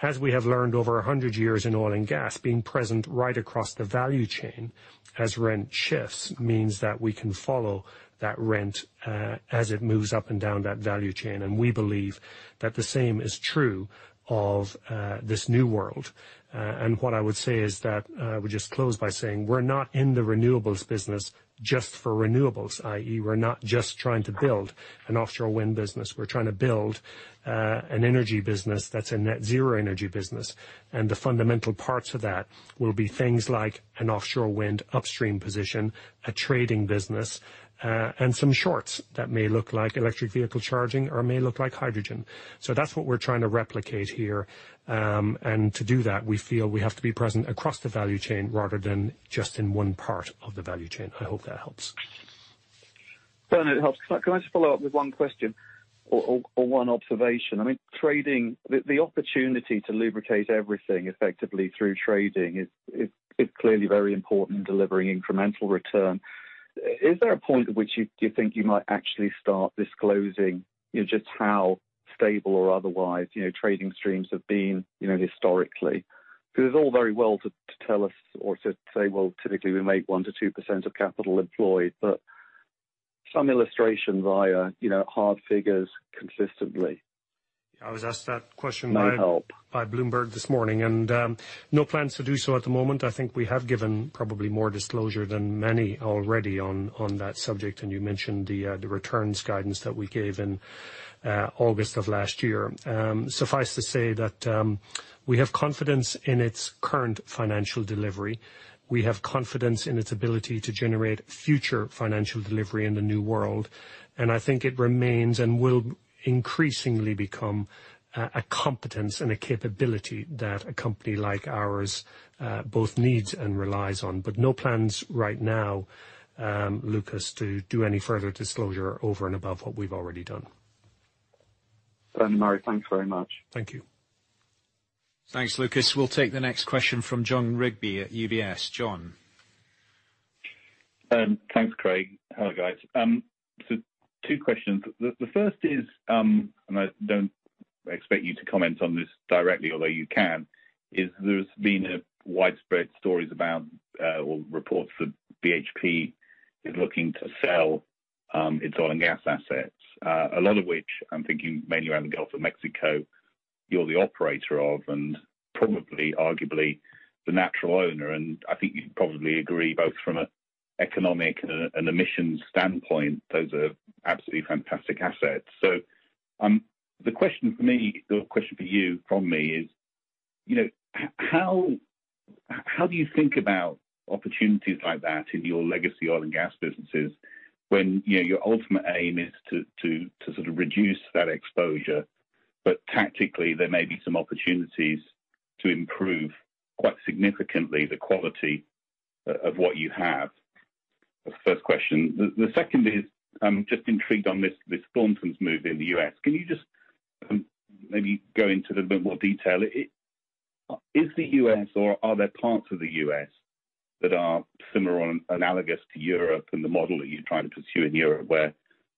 As we have learned over 100 years in oil and gas, being present right across the value chain as rent shifts means that we can follow that rent as it moves up and down that value chain. We believe that the same is true of this new world. What I would say is that, we just close by saying we're not in the renewables business just for renewables, i.e., we're not just trying to build an offshore wind business. We're trying to build an energy business that's a net zero energy business. The fundamental parts of that will be things like an offshore wind upstream position, a trading business, and some shorts that may look like electric vehicle charging or may look like hydrogen. That's what we're trying to replicate here. To do that, we feel we have to be present across the value chain rather than just in one part of the value chain. I hope that helps. Bernard, it helps. Can I just follow up with one question or one observation? Trading, the opportunity to lubricate everything effectively through trading is clearly very important in delivering incremental return. Is there a point at which you think you might actually start disclosing just how stable or otherwise trading streams have been historically? It's all very well to tell us or to say, "Well, typically we make 1%-2% of capital employed," but some illustration via hard figures consistently- Yeah, I was asked that question- might help. by Bloomberg this morning. No plans to do so at the moment. I think we have given probably more disclosure than many already on that subject, and you mentioned the returns guidance that we gave in August of last year. Suffice to say that we have confidence in its current financial delivery. We have confidence in its ability to generate future financial delivery in the new world, and I think it remains and will increasingly become a competence and a capability that a company like ours both needs and relies on. No plans right now, Lucas, to do any further disclosure over and above what we've already done. Fantastic, Murray, thanks very much. Thank you. Thanks, Lucas. We'll take the next question from Jon Rigby at UBS. Jon. Thanks, Craig. Hello, guys. Two questions. The first is, and I don't expect you to comment on this directly, although you can, is there's been widespread stories about or reports that BHP is looking to sell its oil and gas assets. A lot of which, I'm thinking mainly around the Gulf of Mexico, you're the operator of, and probably arguably the natural owner, and I think you'd probably agree both from an economic and emissions standpoint, those are absolutely fantastic assets. The question for you from me is how do you think about opportunities like that in your legacy oil and gas businesses when your ultimate aim is to sort of reduce that exposure? Tactically, there may be some opportunities to improve, quite significantly, the quality of what you have. That's the first question. The second is, I'm just intrigued on this Thorntons move in the U.S. Can you just maybe go into a bit more detail? Is the U.S. or are there parts of the U.S. that are similar or analogous to Europe and the model that you're trying to pursue in Europe, where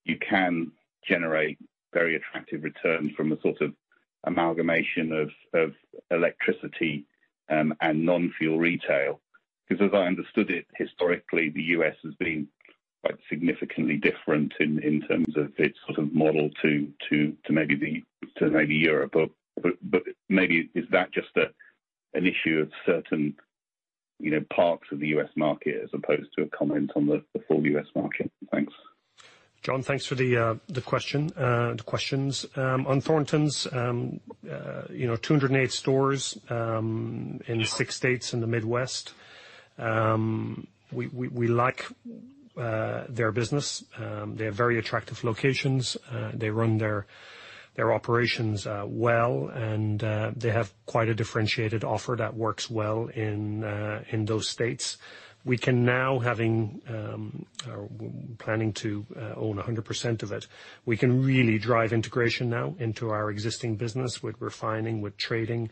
you can generate very attractive returns from a sort of amalgamation of electricity and non-fuel retail? As I understood it, historically, the U.S. has been quite significantly different in terms of its sort of model to maybe Europe. Maybe is that just an issue of certain parts of the U.S. market as opposed to a comment on the full U.S. market? Thanks. Jon, thanks for the questions. On Thorntons, 208 stores in six states in the Midwest. We like their business. They have very attractive locations. They run their operations well, and they have quite a differentiated offer that works well in those states. We can now, having planning to own 100% of it, we can really drive integration now into our existing business with refining, with trading.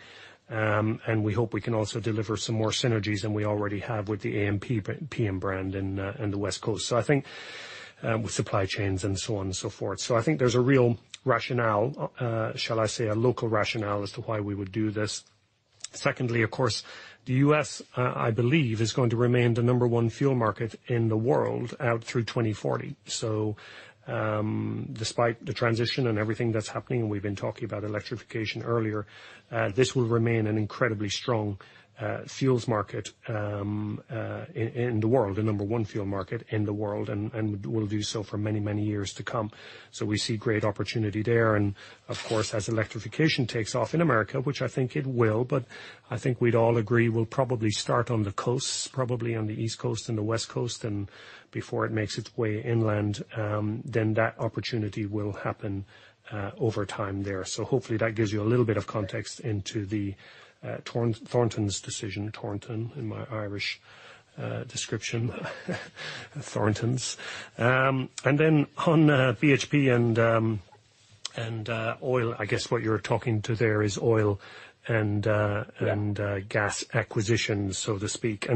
We hope we can also deliver some more synergies than we already have with the ampm brand in the West Coast. I think with supply chains and so on and so forth. I think there's a real rationale, shall I say, a local rationale as to why we would do this. Secondly, of course, the U.S., I believe, is going to remain the number one fuel market in the world out through 2040. Despite the transition and everything that is happening, we have been talking about electrification earlier, this will remain an incredibly strong fuels market in the world, the number one fuel market in the world, and will do so for many, many years to come. We see great opportunity there. Of course, as electrification takes off in America, which I think it will, but I think we would all agree will probably start on the coasts, probably on the East Coast and the West Coast, and before it makes its way inland, then that opportunity will happen over time there. Hopefully that gives you a little bit of context into the Thorntons' decision. Thornton in my Irish description Thorntons. Then on BHP and oil, I guess what you are talking to there is oil- Yeah gas acquisitions, so to speak.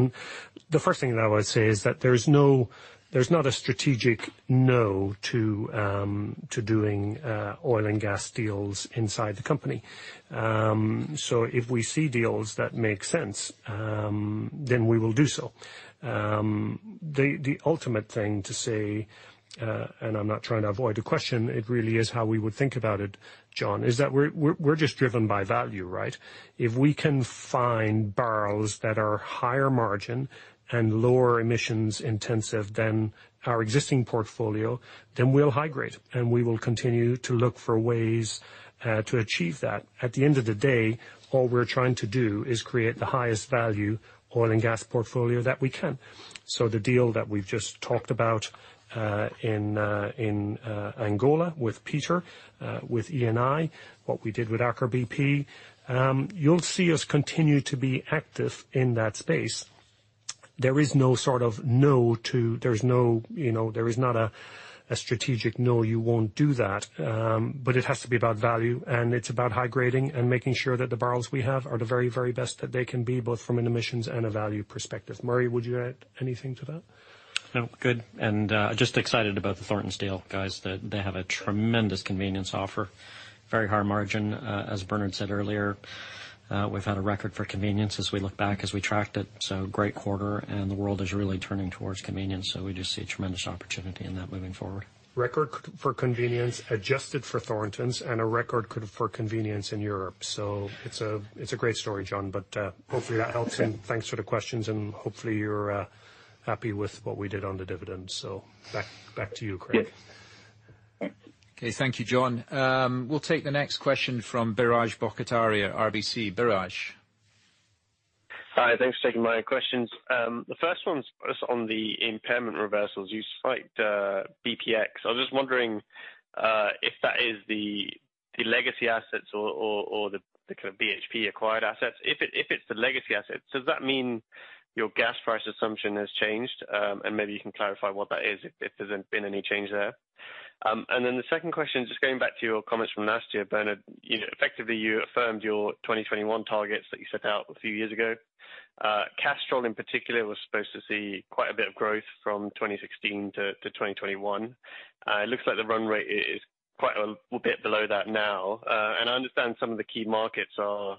The first thing that I would say is that there's not a strategic no to doing oil and gas deals inside the company. If we see deals that make sense, then we will do so. The ultimate thing to say, and I'm not trying to avoid the question, it really is how we would think about it, Jon, is that we're just driven by value, right? If we can find barrels that are higher margin and lower emissions intensive than our existing portfolio, then we'll high grade, and we will continue to look for ways to achieve that. At the end of the day, all we're trying to do is create the highest value oil and gas portfolio that we can. The deal that we've just talked about in Angola with Peter, with Eni, what we did with Aker bp, you'll see us continue to be active in that space. There is not a strategic, "No, you won't do that." It has to be about value, and it's about high grading and making sure that the barrels we have are the very best that they can be, both from an emissions and a value perspective. Murray, would you add anything to that? No. Good. Just excited about the Thorntons deal, guys. They have a tremendous convenience offer, very high margin. As Bernard said earlier, we've had a record for convenience as we look back, as we tracked it. Great quarter, and the world is really turning towards convenience. We just see a tremendous opportunity in that moving forward. Record for convenience, adjusted for Thorntons, and a record for convenience in Europe. It's a great story, Jon, but hopefully that helps. Okay. Thanks for the questions, and hopefully you're happy with what we did on the dividend. Back to you, Craig. Yeah. Okay. Thank you, Jon. We'll take the next question from Biraj Borkhataria, RBC. Biraj. Hi, thanks for taking my questions. The first one's on the impairment reversals. You cite bpx. I was just wondering if that is the legacy assets or the kind of BHP acquired assets. If it's the legacy assets, does that mean your gas price assumption has changed? Maybe you can clarify what that is, if there's been any change there. The second question, just going back to your comments from last year, Bernard. Effectively, you affirmed your 2021 targets that you set out a few years ago. Castrol, in particular, was supposed to see quite a bit of growth from 2016 to 2021. It looks like the run rate is quite a bit below that now. I understand some of the key markets are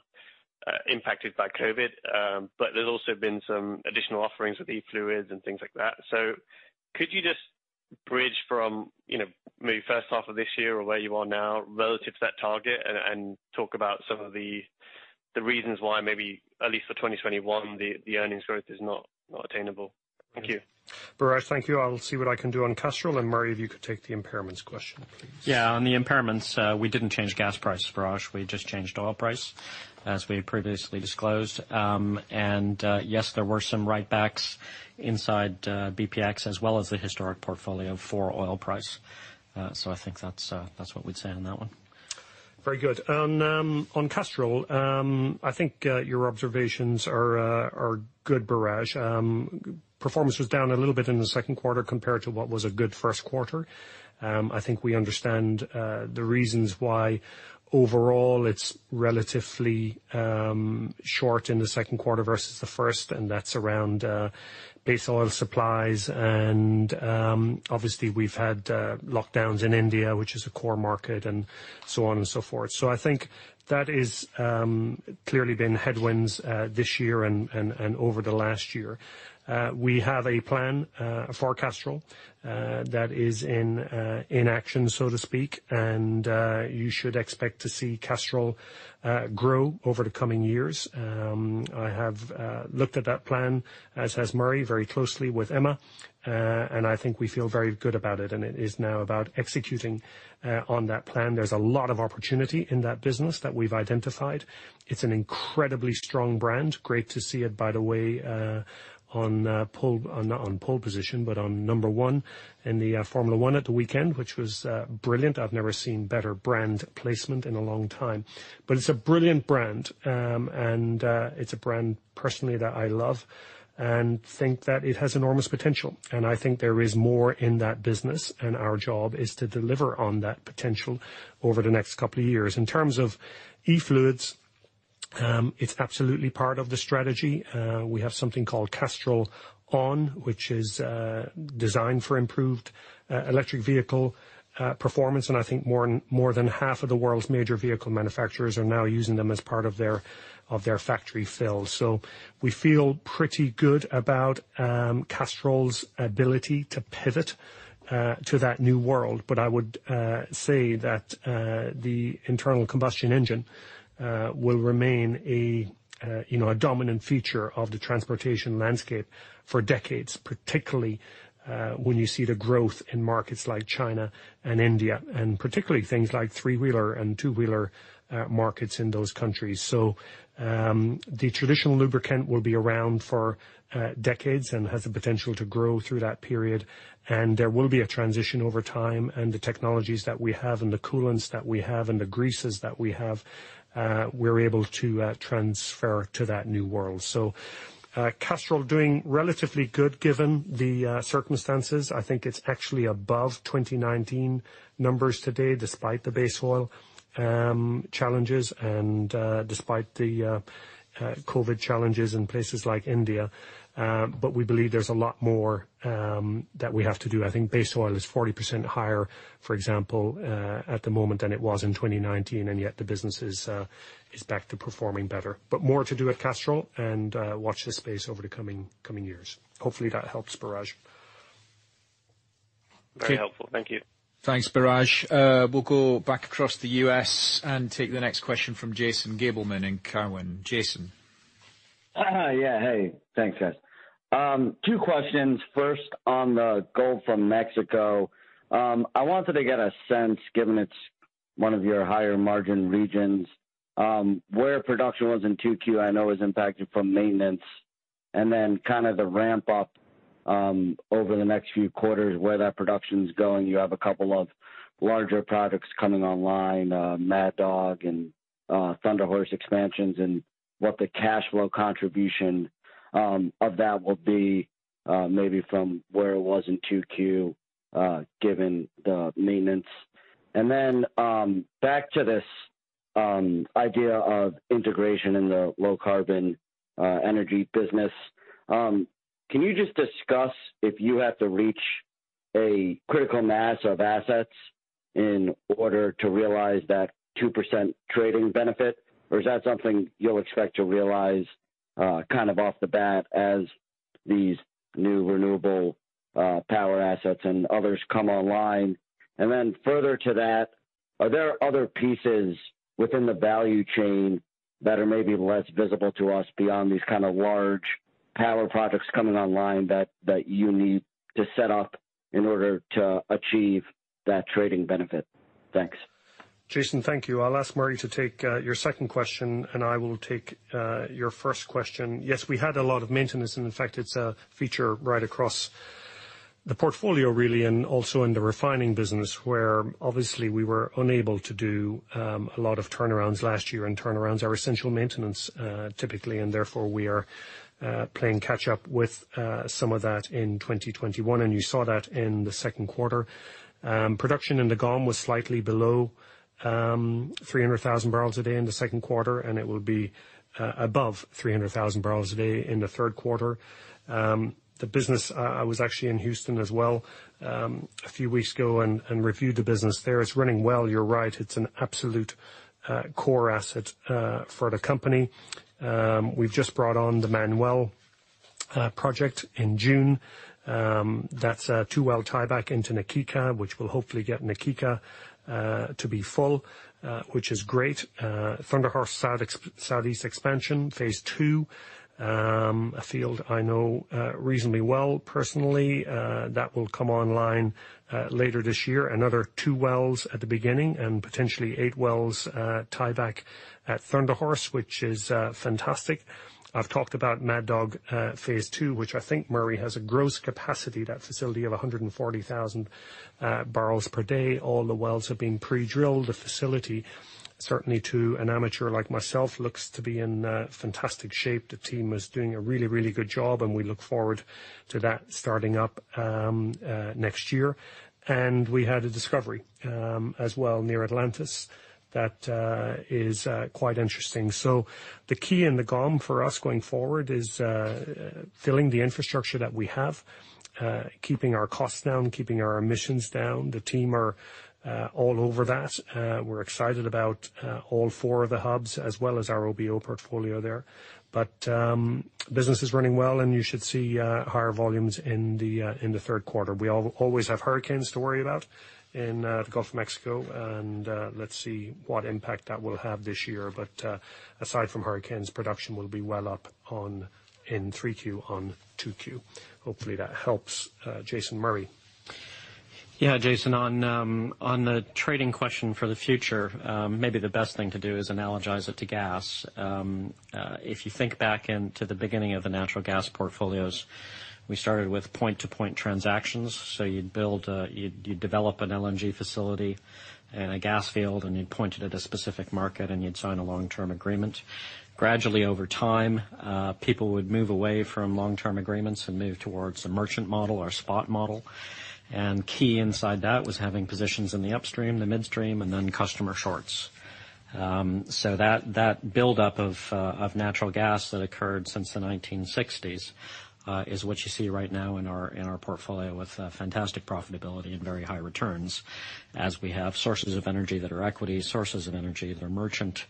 impacted by COVID, but there's also been some additional offerings with e-fluids and things like that. Could you just bridge from maybe first half of this year or where you are now relative to that target and talk about some of the reasons why maybe at least for 2021, the earnings growth is not attainable? Thank you. Biraj, thank you. I'll see what I can do on Castrol. Murray, if you could take the impairments question, please. Yeah. On the impairments, we didn't change gas price, Biraj. We just changed oil price, as we had previously disclosed. Yes, there were some write-backs inside bpx as well as the historic portfolio for oil price. I think that's what we'd say on that one. Very good. On Castrol, I think your observations are good, Biraj. Performance was down a little bit in the second quarter compared to what was a good first quarter. I think we understand the reasons why overall it's relatively short in the second quarter versus the first, and that's around base oil supplies and obviously we've had lockdowns in India, which is a core market and so on and so forth. I think that is clearly been headwinds this year and over the last year. We have a plan for Castrol that is in action, so to speak. You should expect to see Castrol grow over the coming years. I have looked at that plan, as has Murray, very closely with Emma. I think we feel very good about it, and it is now about executing on that plan. There's a lot of opportunity in that business that we've identified. It's an incredibly strong brand. Great to see it, by the way, not on pole position, but on number one in the Formula One at the weekend, which was brilliant. I've never seen better brand placement in a long time. It's a brilliant brand. It's a brand personally that I love and think that it has enormous potential. I think there is more in that business, and our job is to deliver on that potential over the next couple of years. In terms of e-fluids, it's absolutely part of the strategy. We have something called Castrol ON, which is designed for improved electric vehicle performance. I think more than half of the world's major vehicle manufacturers are now using them as part of their factory fill. We feel pretty good about Castrol's ability to pivot to that new world. I would say that the internal combustion engine will remain a dominant feature of the transportation landscape for decades, particularly when you see the growth in markets like China and India, and particularly things like three-wheeler and two-wheeler markets in those countries. The traditional lubricant will be around for decades and has the potential to grow through that period. And there will be a transition over time, and the technologies that we have and the coolants that we have and the greases that we have, we're able to transfer to that new world. Castrol doing relatively good given the circumstances. I think it's actually above 2019 numbers today despite the base oil challenges and despite the COVID challenges in places like India. We believe there's a lot more that we have to do. I think base oil is 40% higher, for example, at the moment than it was in 2019, yet the business is back to performing better. More to do at Castrol and watch this space over the coming years. Hopefully that helps, Biraj. Very helpful. Thank you. Thanks, Biraj. We'll go back across the U.S. and take the next question from Jason Gabelman in Cowen. Jason. Yeah. Hey. Thanks, guys. Two questions. First, on the Gulf of Mexico. I wanted to get a sense, given it's one of your higher margin regions, where production was in Q2, I know it was impacted from maintenance, and then kind of the ramp up over the next few quarters where that production's going. You have a couple of larger products coming online, Mad Dog and Thunder Horse expansions, and what the cash flow contribution of that will be maybe from where it was in 2Q given the maintenance. Back to this idea of integration in the low carbon energy business. Can you just discuss if you have to reach a critical mass of assets in order to realize that 2% trading benefit, or is that something you'll expect to realize off the bat as these new renewable power assets and others come online? Further to that, are there other pieces within the value chain that are maybe less visible to us beyond these kind of large power projects coming online that you need to set up in order to achieve that trading benefit? Thanks. Jason, thank you. I'll ask Murray to take your second question and I will take your first question. Yes, we had a lot of maintenance and in fact, it's a feature right across the portfolio really, and also in the refining business where obviously we were unable to do a lot of turnarounds last year. Turnarounds are essential maintenance, typically, and therefore we are playing catch up with some of that in 2021. You saw that in the second quarter. Production in the GOM was slightly below 300,000 bpd in the second quarter, and it will be above 300,000 bpd in the third quarter. The business, I was actually in Houston as well a few weeks ago and reviewed the business there. It's running well. You're right, it's an absolute core asset for the company. We've just brought on the Manuel project in June. That's a two well tieback into Na Kika, which will hopefully get Na Kika to be full, which is great. Thunder Horse Southeast expansion phase II, a field I know reasonably well personally, that will come online later this year. Another two wells at the beginning and potentially eight wells tieback at Thunder Horse, which is fantastic. I've talked about Mad Dog phase II, which I think Murray has a gross capacity, that facility of 140,000 bpd. All the wells have been pre-drilled. The facility, certainly to an amateur like myself, looks to be in fantastic shape. The team is doing a really good job. We look forward to that starting up next year. We had a discovery as well near Atlantis that is quite interesting. The key in the GOM for us going forward is filling the infrastructure that we have, keeping our costs down, keeping our emissions down. The team are all over that. We’re excited about all four of the hubs as well as our OBO portfolio there. Business is running well, and you should see higher volumes in the third quarter. We always have hurricanes to worry about in the Gulf of Mexico, and let’s see what impact that will have this year. Aside from hurricanes, production will be well up in 3Q on 2Q. Hopefully that helps. Jason, Murray. Jason, on the trading question for the future, maybe the best thing to do is analogize it to gas. If you think back into the beginning of the natural gas portfolios, we started with point-to-point transactions. You'd develop an LNG facility and a gas field, and you'd point it at a specific market, and you'd sign a long-term agreement. Gradually over time, people would move away from long-term agreements and move towards a merchant model or spot model. Key inside that was having positions in the upstream, the midstream, and then customer shorts. That build up of natural gas that occurred since the 1960s, is what you see right now in our portfolio with fantastic profitability and very high returns as we have sources of energy that are equity, sources of energy that are merchant,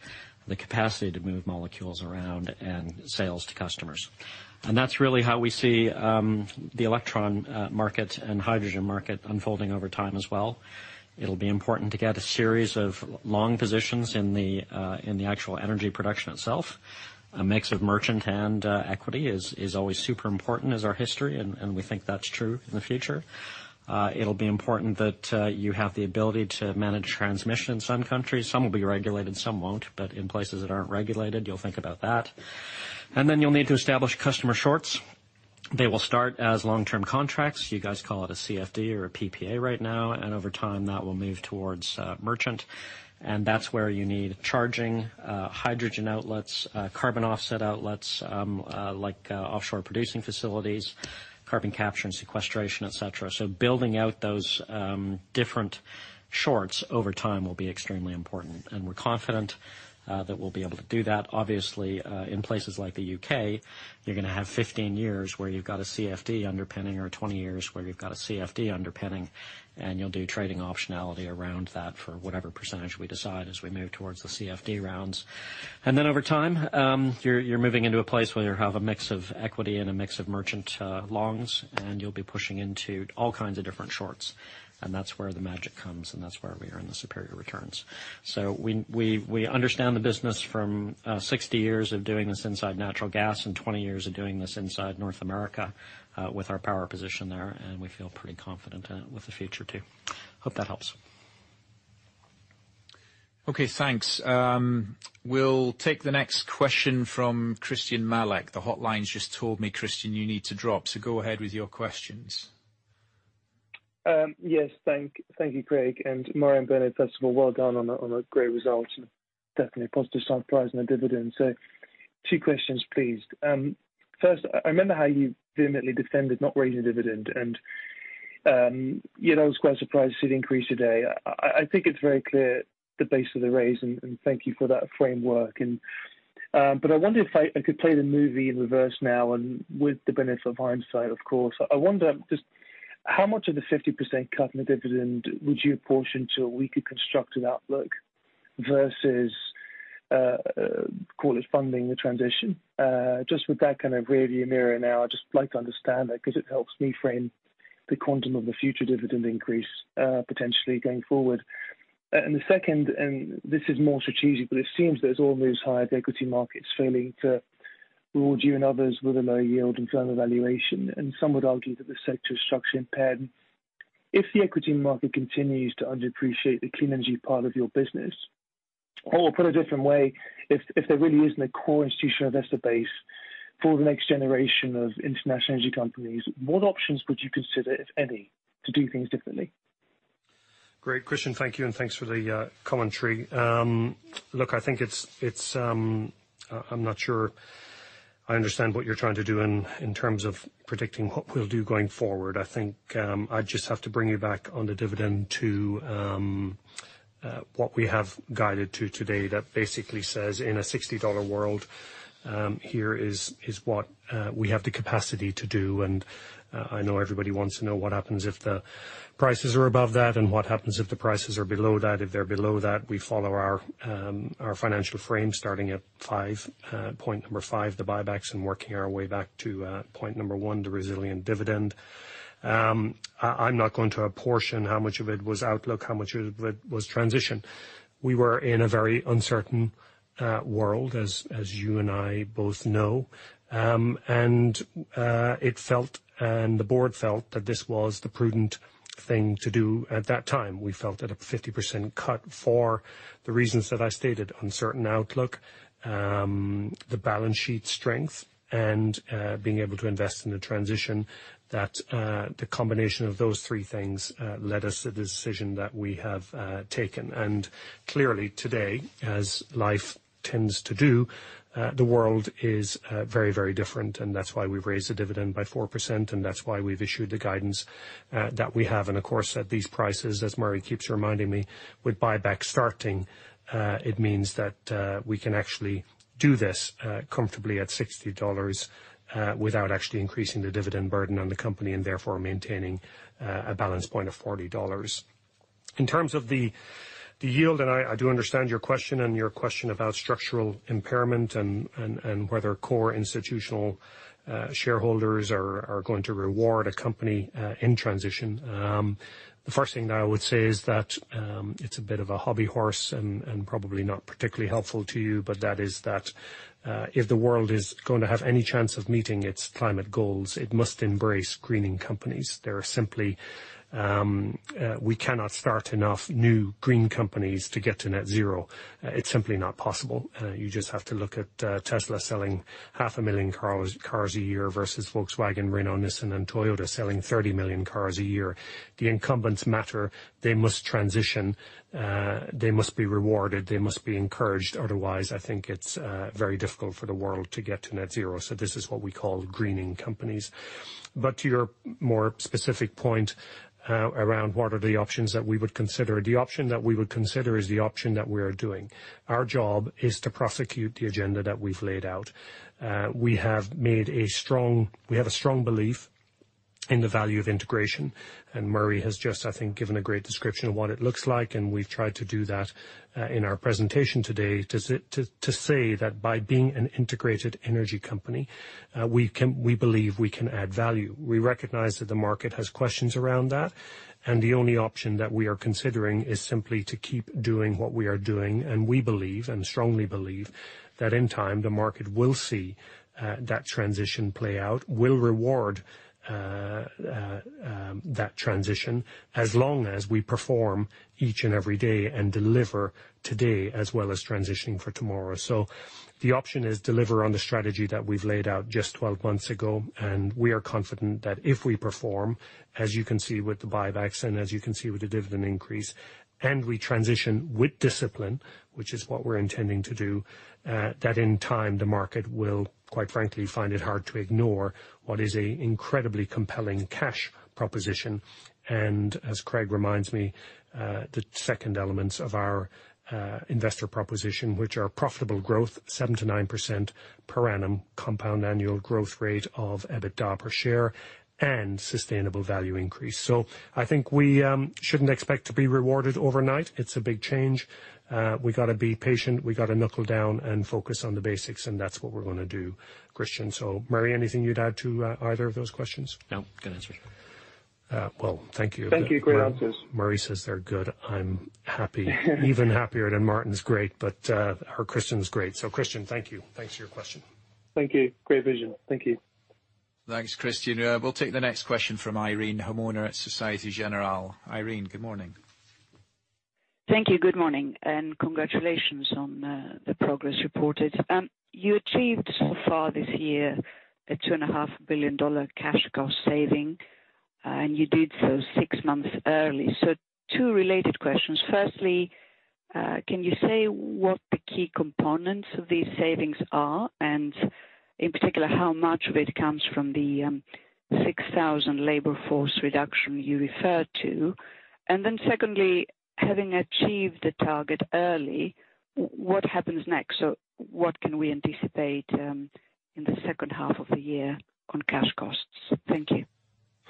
the capacity to move molecules around and sales to customers. That's really how we see the electron market and hydrogen market unfolding over time as well. It'll be important to get a series of long positions in the actual energy production itself. A mix of merchant and equity is always super important as our history, and we think that's true in the future. It'll be important that you have the ability to manage transmission in some countries. Some will be regulated, some won't. But in places that aren't regulated, you'll think about that. Then you'll need to establish customer shorts. They will start as long-term contracts. You guys call it a CFD or a PPA right now, and over time, that will move towards merchant. That's where you need charging, hydrogen outlets, carbon offset outlets, like offshore producing facilities, carbon capture and sequestration, et cetera. Building out those different shorts over time will be extremely important. We're confident that we'll be able to do that. Obviously, in places like the U.K., you're going to have 15 years where you've got a CFD underpinning or 20 years where you've got a CFD underpinning, and you'll do trading optionality around that for whatever percentage we decide as we move towards the CFD rounds. Over time, you're moving into a place where you have a mix of equity and a mix of merchant longs, and you'll be pushing into all kinds of different shorts. That's where the magic comes, and that's where we earn the superior returns. We understand the business from 60 years of doing this inside natural gas and 20 years of doing this inside North America with our power position there, and we feel pretty confident in it with the future too. Hope that helps. Okay, thanks. We'll take the next question from Christyan Malek. The hotline's just told me, Christyan, you need to drop, so go ahead with your questions. Yes. Thank you, Craig, and Murray and Bernard, first of all, well done on a great result, and definitely a positive surprise on the dividend. Two questions, please. First, I remember how you vehemently defended not raising the dividend, and I was quite surprised to see the increase today. I think it's very clear, the base of the raise, and thank you for that framework. I wonder if I could play the movie in reverse now, and with the benefit of hindsight, of course. I wonder just how much of the 50% cut in the dividend would you apportion to a weaker constructive outlook versus, call it funding the transition? Just with that kind of rearview mirror now, I'd just like to understand that, because it helps me frame the quantum of the future dividend increase, potentially, going forward. The second, and this is more strategic, but it seems that as oil moves higher, the equity market's failing to reward you and others with a low yield and fair valuation, and some would argue that the sector is structurally impaired. If the equity market continues to underappreciate the clean energy part of your business, or put a different way, if there really isn't a core institutional investor base for the next generation of international energy companies, what options would you consider, if any, to do things differently? Great, Christyan. Thank you, and thanks for the commentary. I think I'm not sure I understand what you're trying to do in terms of predicting what we'll do going forward. I think I'd just have to bring you back on the dividend to what we have guided to today that basically says, in a $60 world, here is what we have the capacity to do. I know everybody wants to know what happens if the prices are above that and what happens if the prices are below that. If they're below that, we follow our financial frame, starting at point number five, the buybacks, and working our way back to point number one, the resilient dividend. I'm not going to apportion how much of it was outlook, how much of it was transition. We were in a very uncertain world, as you and I both know. The board felt that this was the prudent thing to do at that time. We felt that a 50% cut for the reasons that I stated, uncertain outlook, the balance sheet strength, and being able to invest in the transition, that the combination of those three things led us to the decision that we have taken. Clearly today, as life tends to do, the world is very different, and that's why we've raised the dividend by 4%, and that's why we've issued the guidance that we have. Of course, at these prices, as Murray keeps reminding me, with buyback starting, it means that we can actually do this comfortably at $60 without actually increasing the dividend burden on the company, and therefore maintaining a balance point of $40. In terms of the yield, and I do understand your question and your question about structural impairment and whether core institutional shareholders are going to reward a company in transition. The first thing that I would say is that it's a bit of a hobby horse and probably not particularly helpful to you, but that is that if the world is going to have any chance of meeting its climate goals, it must embrace greening companies. We cannot start enough new green companies to get to net zero. It's simply not possible. You just have to look at Tesla selling 500,000 cars a year versus Volkswagen, Renault, Nissan, and Toyota selling 30 million cars a year. The incumbents matter. They must transition. They must be rewarded. They must be encouraged. Otherwise, I think it's very difficult for the world to get to net zero. This is what we call greening companies. To your more specific point around what are the options that we would consider, the option that we would consider is the option that we are doing. Our job is to prosecute the agenda that we've laid out. We have a strong belief in the value of integration, and Murray has just, I think, given a great description of what it looks like, and we've tried to do that in our presentation today to say that by being an integrated energy company, we believe we can add value. We recognize that the market has questions around that. The only option that we are considering is simply to keep doing what we are doing. We believe, and strongly believe, that in time, the market will see that transition play out, will reward that transition as long as we perform each and every day and deliver today as well as transitioning for tomorrow. The option is deliver on the strategy that we've laid out just 12 months ago. We are confident that if we perform, as you can see with the buybacks and as you can see with the dividend increase, and we transition with discipline, which is what we're intending to do, that in time, the market will, quite frankly, find it hard to ignore what is an incredibly compelling cash proposition. As Craig reminds me, the second elements of our investor proposition, which are profitable growth, 7%-9% per annum compound annual growth rate of EBITDA per share, and sustainable value increase. I think we shouldn't expect to be rewarded overnight. It's a big change. We got to be patient. We got to knuckle down and focus on the basics, and that's what we're going to do, Christyan. Murray, anything you'd add to either of those questions? No. Good answers. Well, thank you. Thank you. Great answers. Murray says they're good. I'm happy. Even happier. Martijn's great, but our Christyan's great. Christyan, thank you. Thanks for your question. Thank you. Great vision. Thank you. Thanks, Christyan. We'll take the next question from Irene Himona at Societe Generale. Irene, good morning. Thank you. Good morning, and congratulations on the progress reported. You achieved so far this year a $2.5 billion cash cost saving, and you did so six months early. Two related questions. Firstly, can you say what the key components of these savings are? In particular, how much of it comes from the 6,000 labor force reduction you referred to? Secondly, having achieved the target early, what happens next? What can we anticipate in the second half of the year on cash costs? Thank you.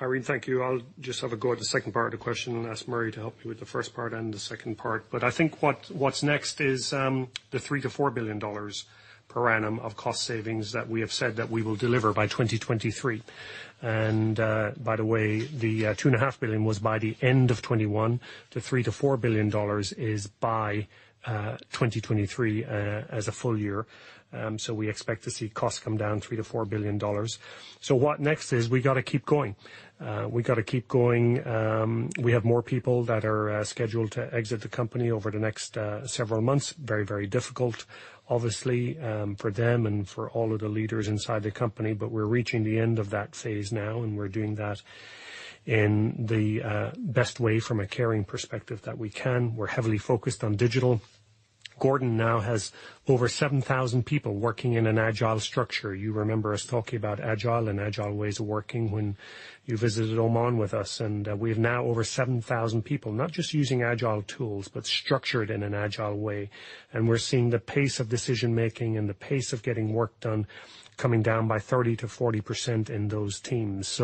Irene, thank you. I'll just have a go at the second part of the question and ask Murray to help me with the first part and the second part. I think what's next is the $3 billion-$4 billion per annum of cost savings that we have said that we will deliver by 2023. By the way, the $2.5 billion was by the end of 2021. The $3 billion-$4 billion is by 2023, as a full year. We expect to see costs come down $3 billion-$4 billion. What next is we got to keep going. We got to keep going. We have more people that are scheduled to exit the company over the next several months. Very difficult, obviously, for them and for all of the leaders inside the company. We're reaching the end of that phase now, and we're doing that in the best way from a caring perspective that we can. We're heavily focused on digital. Gordon now has over 7,000 people working in an agile structure. You remember us talking about agile and agile ways of working when you visited Oman with us. We have now over 7,000 people, not just using agile tools, but structured in an agile way. We're seeing the pace of decision-making and the pace of getting work done coming down by 30%-40% in those teams.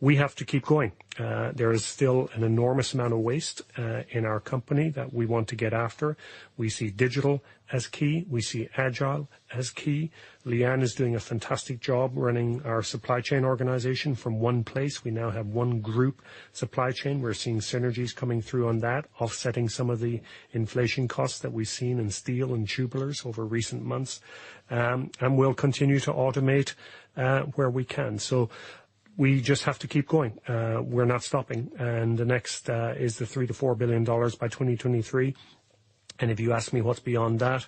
We have to keep going. There is still an enormous amount of waste in our company that we want to get after. We see digital as key. We see agile as key. Leanne is doing a fantastic job running our supply chain organization from one place. We now have one group supply chain. We're seeing synergies coming through on that, offsetting some of the inflation costs that we've seen in steel and tubulars over recent months. We'll continue to automate where we can. We just have to keep going. We're not stopping. The next is the $3 billion-$4 billion by 2023. If you ask me what's beyond that,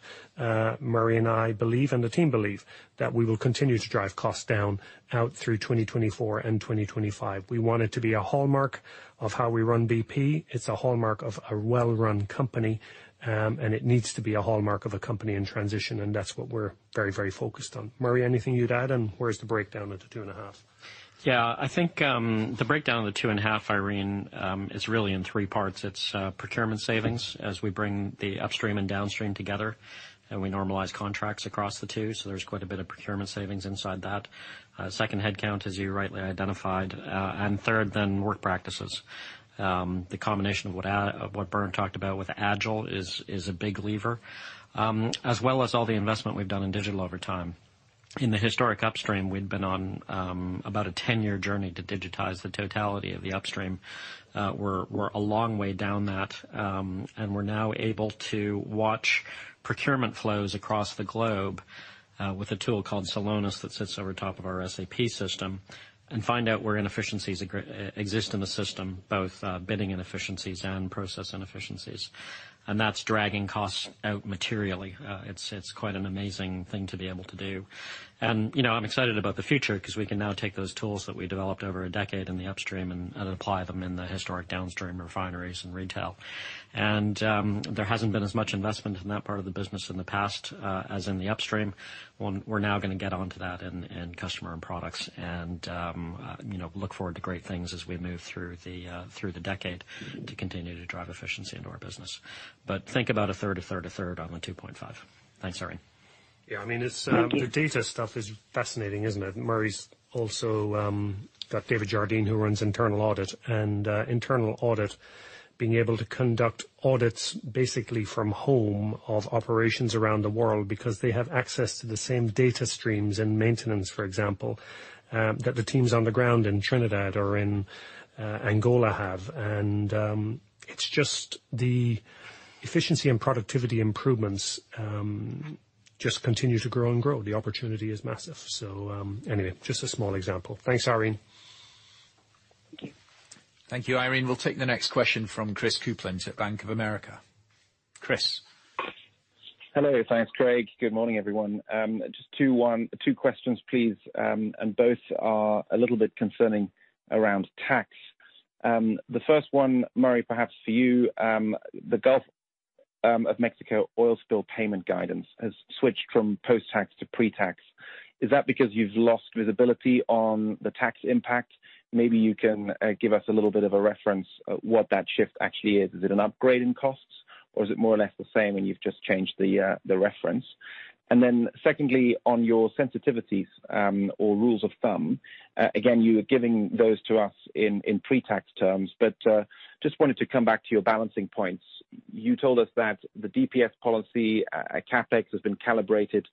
Murray and I believe, and the team believe, that we will continue to drive costs down out through 2024 and 2025. We want it to be a hallmark of how we run bp. It's a hallmark of a well-run company. It needs to be a hallmark of a company in transition, and that's what we're very focused on. Murray, anything you'd add? Where is the breakdown of the $2.5 billion? I think the breakdown of the $2.5 billion, Irene, is really in three parts. It's procurement savings as we bring the upstream and downstream together, and we normalize contracts across the two. There's quite a bit of procurement savings inside that. Second, headcount, as you rightly identified. Third, work practices. The combination of what Bernard talked about with Agile is a big lever. As well as all the investment we've done in digital over time. In the historic upstream, we'd been on about a 10-year journey to digitize the totality of the upstream. We're a long way down that. We're now able to watch procurement flows across the globe with a tool called Celonis that sits over top of our SAP system and find out where inefficiencies exist in the system, both bidding inefficiencies and process inefficiencies. That's dragging costs out materially. It's quite an amazing thing to be able to do. I'm excited about the future because we can now take those tools that we developed over a decade in the upstream and apply them in the historic downstream refineries and retail. There hasn't been as much investment in that part of the business in the past, as in the upstream. We're now going to get onto that in customer and products and look forward to great things as we move through the decade to continue to drive efficiency into our business. Think about a third, a third, a third on the $2.5 billion. Thanks, Irene. Yeah. The data stuff is fascinating, isn't it? Murray Auchincloss also got David Jardine, who runs internal audit, and internal audit being able to conduct audits basically from home of operations around the world because they have access to the same data streams and maintenance, for example, that the teams on the ground in Trinidad or in Angola have. It's just the efficiency and productivity improvements just continue to grow and grow. The opportunity is massive. Anyway, just a small example. Thanks, Irene. Thank you. Thank you, Irene. We'll take the next question from Chris Kuplent at Bank of America. Chris. Hello. Thanks, Craig. Good morning, everyone. Just two questions, please, and both are a little bit concerning around tax. The first one, Murray, perhaps for you. The Gulf of Mexico oil spill payment guidance has switched from post-tax to pre-tax. Is that because you've lost visibility on the tax impact? Maybe you can give us a little bit of a reference what that shift actually is. Is it an upgrade in costs? Or is it more or less the same and you've just changed the reference? Secondly, on your sensitivities, or rules of thumb, again, you are giving those to us in pre-tax terms. Just wanted to come back to your balancing points. You told us that the DPS policy, CapEx, has been calibrated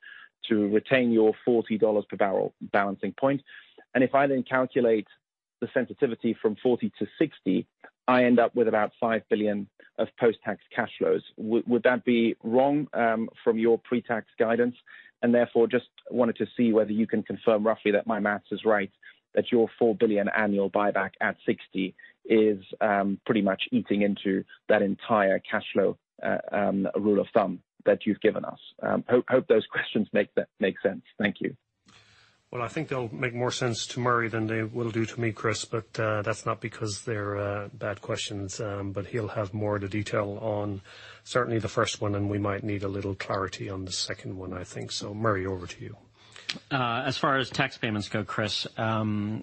to retain your $40 per barrel balancing point. If I then calculate the sensitivity from $40-$60, I end up with about $5 billion of post-tax cash flows. Would that be wrong from your pre-tax guidance? Therefore, just wanted to see whether you can confirm roughly that my math is right, that your $4 billion annual buyback at $60 is pretty much eating into that entire cash flow, rule of thumb that you've given us. Hope those questions make sense. Thank you. Well, I think they'll make more sense to Murray than they will do to me, Chris, but that's not because they're bad questions. He'll have more of the detail on certainly the first one, and we might need a little clarity on the second one, I think. Murray, over to you. As far as tax payments go, Chris,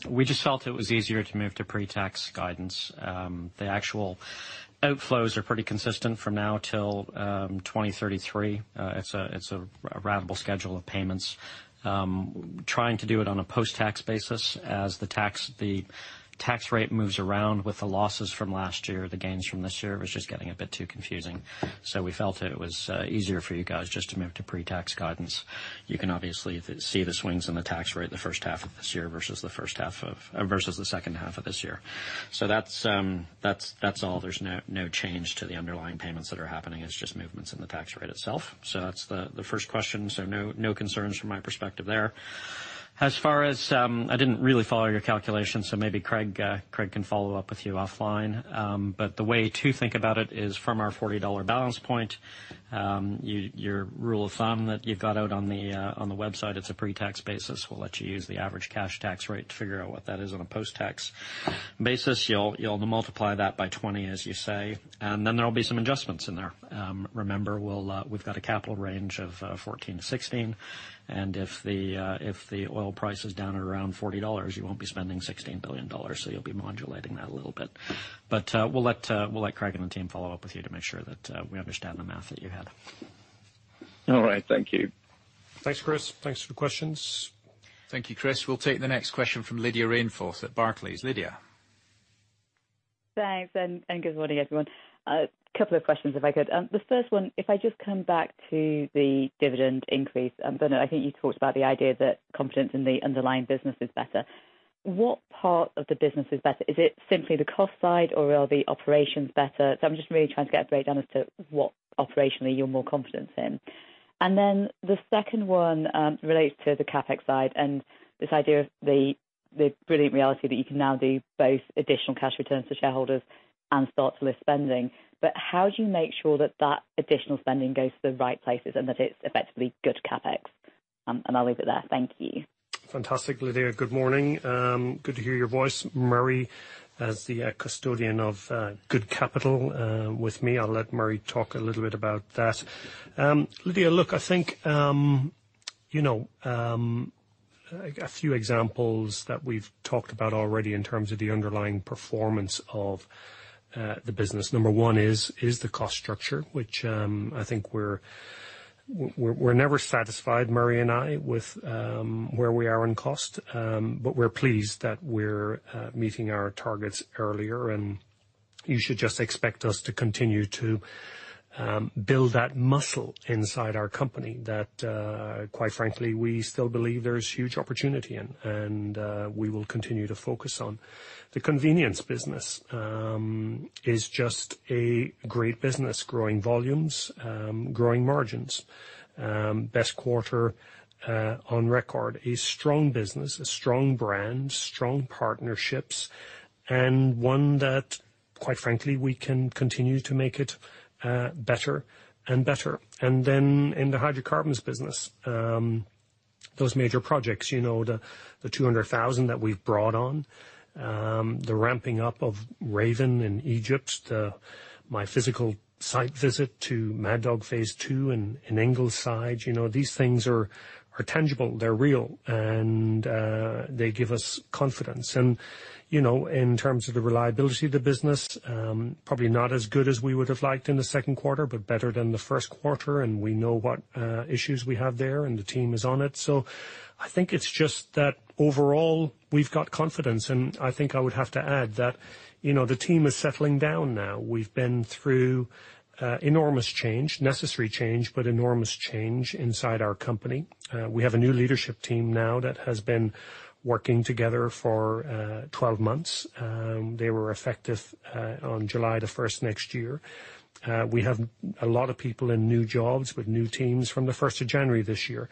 we just felt it was easier to move to pre-tax guidance. The actual outflows are pretty consistent from now till 2033. It's a ratable schedule of payments. Trying to do it on a post-tax basis as the tax rate moves around with the losses from last year, the gains from this year, was just getting a bit too confusing. We felt it was easier for you guys just to move to pre-tax guidance. You can obviously see the swings in the tax rate in the first half of this year versus the second half of this year. That's all. There's no change to the underlying payments that are happening. It's just movements in the tax rate itself. That's the first question. No concerns from my perspective there. I didn't really follow your calculation, so maybe Craig can follow up with you offline. The way to think about it is from our $40 balance point, your rule of thumb that you've got out on the website, it's a pre-tax basis. We'll let you use the average cash tax rate to figure out what that is on a post-tax basis. You'll multiply that by 20x, as you say, and then there'll be some adjustments in there. Remember, we've got a capital range of 14 to 16, and if the oil price is down at around $40, you won't be spending $16 billion. You'll be modulating that a little bit. We'll let Craig and the team follow up with you to make sure that we understand the math that you had. All right. Thank you. Thanks, Chris. Thanks for the questions. Thank you, Chris. We'll take the next question from Lydia Rainforth at Barclays. Lydia. Thanks, and good morning, everyone. A couple of questions, if I could. The first one, if I just come back to the dividend increase. Bernard, I think you talked about the idea that confidence in the underlying business is better. What part of the business is better? Is it simply the cost side or are the operations better? I'm just really trying to get a breakdown as to what operationally you're more confident in. The second one relates to the CapEx side and this idea of the brilliant reality that you can now do both additional cash returns to shareholders and start to list spending. How do you make sure that that additional spending goes to the right places and that it's effectively good CapEx? I'll leave it there. Thank you. Fantastic, Lydia. Good morning. Good to hear your voice. Murray, as the custodian of good capital with me, I'll let Murray talk a little bit about that. Lydia, look, I think a few examples that we've talked about already in terms of the underlying performance of the business. Number one is the cost structure, which I think we're never satisfied, Murray and I, with where we are on cost. We're pleased that we're meeting our targets earlier, and you should just expect us to continue to build that muscle inside our company that, quite frankly, we still believe there is huge opportunity in and we will continue to focus on. The convenience business is just a great business. Growing volumes, growing margins. Best quarter on record. A strong business, a strong brand, strong partnerships, and one that, quite frankly, we can continue to make it better and better. In the hydrocarbons business, those major projects, the 200,000 that we've brought on, the ramping up of Raven in Egypt, my physical site visit to Mad Dog phase II in Ingleside, these things are tangible, they're real, and they give us confidence. In terms of the reliability of the business, probably not as good as we would have liked in the second quarter, but better than the first quarter, and we know what issues we have there, and the team is on it. I think it's just that overall, we've got confidence, and I think I would have to add that the team is settling down now. We've been through enormous change, necessary change, but enormous change inside our company. We have a new leadership team now that has been working together for 12 months. They were effective on July 1st next year. We have a lot of people in new jobs with new teams from the January 1st this year.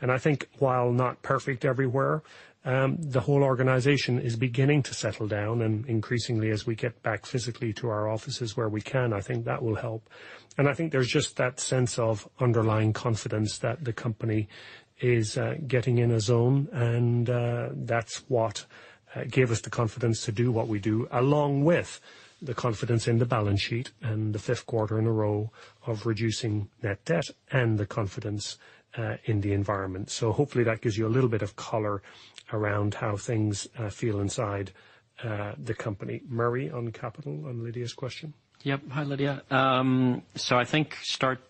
I think while not perfect everywhere, the whole organization is beginning to settle down and increasingly, as we get back physically to our offices where we can, I think that will help. I think there's just that sense of underlying confidence that the company is getting in a zone, and that's what gave us the confidence to do what we do, along with the confidence in the balance sheet and the fifth quarter in a row of reducing net debt and the confidence in the environment. Hopefully that gives you a little bit of color around how things feel inside the company. Murray, on capital, on Lydia's question. Yep. Hi, Lydia. I think start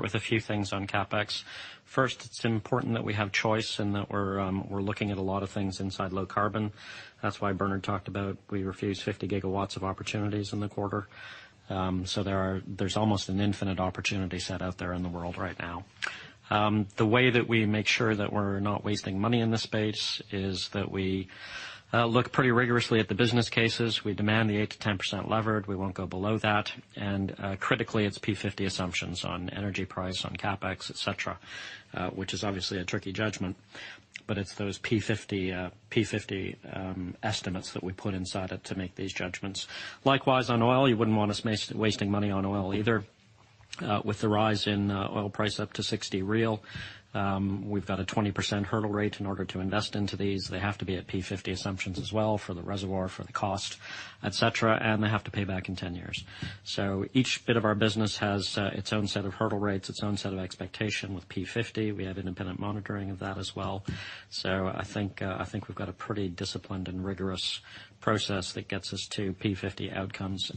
with a few things on CapEx. First, it's important that we have choice and that we're looking at a lot of things inside low carbon. That's why Bernard talked about we refused 50 GW of opportunities in the quarter. There's almost an infinite opportunity set out there in the world right now. The way that we make sure that we're not wasting money in this space is that we look pretty rigorously at the business cases. We demand the 8%-10% levered. We won't go below that. Critically, it's P50 assumptions on energy price, on CapEx, et cetera, which is obviously a tricky judgment. But it's those P50 estimates that we put inside it to make these judgments. Likewise, on oil, you wouldn't want us wasting money on oil either. With the rise in oil price up to $60 Brent, we've got a 20% hurdle rate in order to invest into these. They have to be at P50 assumptions as well for the reservoir, for the cost, etc, and they have to pay back in 10 years. Each bit of our business has its own set of hurdle rates, its own set of expectation with P50. We have independent monitoring of that as well. I think we've got a pretty disciplined and rigorous process that gets us to P50 outcomes.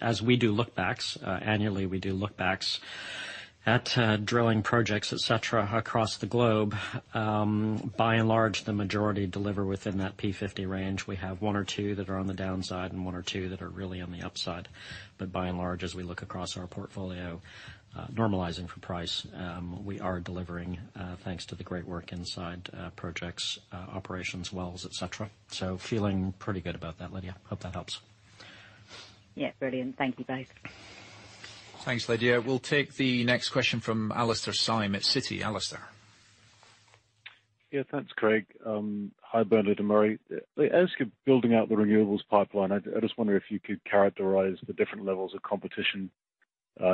As we do look backs, annually we do look backs at drilling projects, etc, across the globe. By and large, the majority deliver within that P50 range. We have one or two that are on the downside and one or two that are really on the upside. By and large, as we look across our portfolio, normalizing for price, we are delivering thanks to the great work inside projects, operations, wells, et cetera. Feeling pretty good about that, Lydia. Hope that helps. Yeah. Brilliant. Thank you, both. Thanks, Lydia. We'll take the next question from Alastair Syme at Citi. Alastair. Yeah. Thanks, Craig. Hi, Bernard and Murray. As you're building out the renewables pipeline, I just wonder if you could characterize the different levels of competition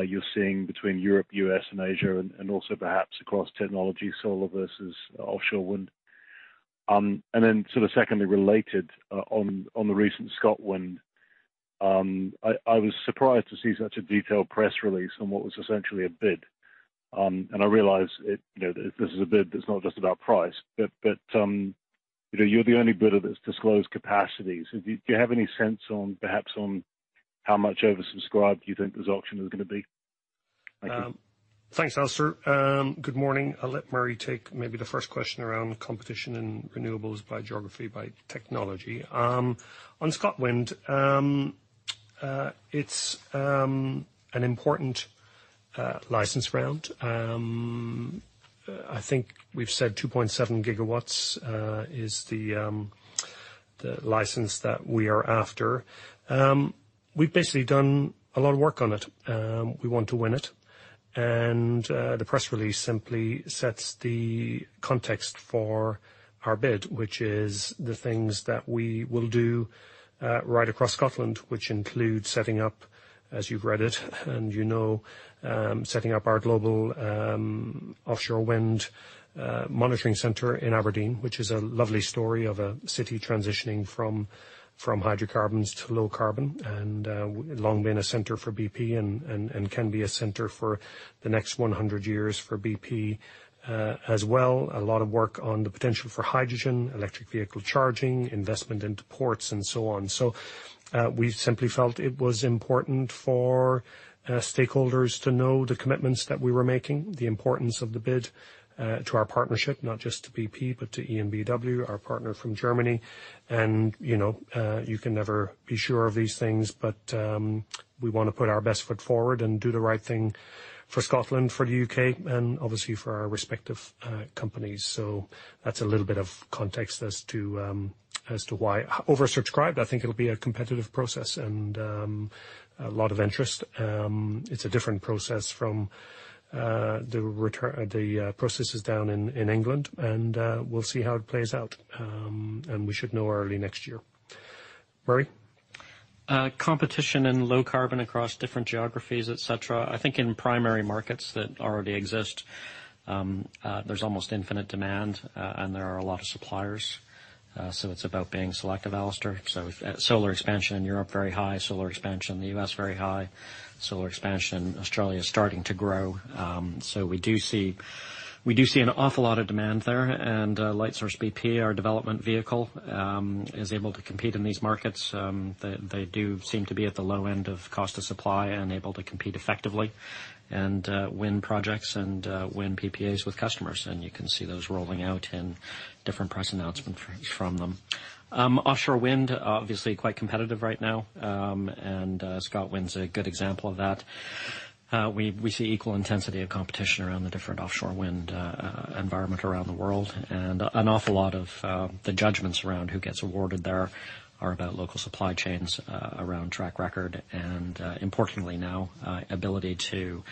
you're seeing between Europe, U.S., and Asia. Also perhaps across technology, solar versus offshore wind. Then secondly, related, on the recent ScotWind. I was surprised to see such a detailed press release on what was essentially a bid. I realize this is a bid that's not just about price, but you're the only bidder that's disclosed capacity. Do you have any sense perhaps on how much oversubscribed you think this auction is going to be? Thank you. Thanks, Alastair. Good morning. I'll let Murray take maybe the first question around competition in renewables by geography, by technology. On ScotWind, it's an important license round. I think we've said 2.7 GW is the license that we are after. We've basically done a lot of work on it. We want to win it. The press release simply sets the context for our bid, which is the things that we will do right across Scotland, which include setting up, as you've read it and you know, setting up our global offshore wind monitoring center in Aberdeen. Which is a lovely story of a city transitioning from hydrocarbons to low carbon, and long been a center for bp and can be a center for the next 100 years for bp. As well, a lot of work on the potential for hydrogen, electric vehicle charging, investment into ports and so on. We simply felt it was important for stakeholders to know the commitments that we were making, the importance of the bid to our partnership, not just to bp, but to EnBW, our partner from Germany. You can never be sure of these things, but we want to put our best foot forward and do the right thing for Scotland, for the U.K., and obviously for our respective companies. That's a little bit of context as to why. Oversubscribed, I think it'll be a competitive process and a lot of interest. It's a different process from the processes down in England. We'll see how it plays out. We should know early next year. Murray? Competition in low carbon across different geographies, etc. I think in primary markets that already exist, there's almost infinite demand, and there are a lot of suppliers. It's about being selective, Alastair. Solar expansion in Europe, very high. Solar expansion in the U.S., very high. Solar expansion, Australia is starting to grow. We do see an awful lot of demand there, and Lightsource bp, our development vehicle, is able to compete in these markets. They do seem to be at the low end of cost of supply and able to compete effectively and win projects and win PPAs with customers. You can see those rolling out in different press announcements from them. Offshore wind, obviously quite competitive right now. ScotWind's a good example of that. We see equal intensity of competition around the different offshore wind environment around the world. An awful lot of the judgments around who gets awarded there are about local supply chains, around track record, and importantly now, ability to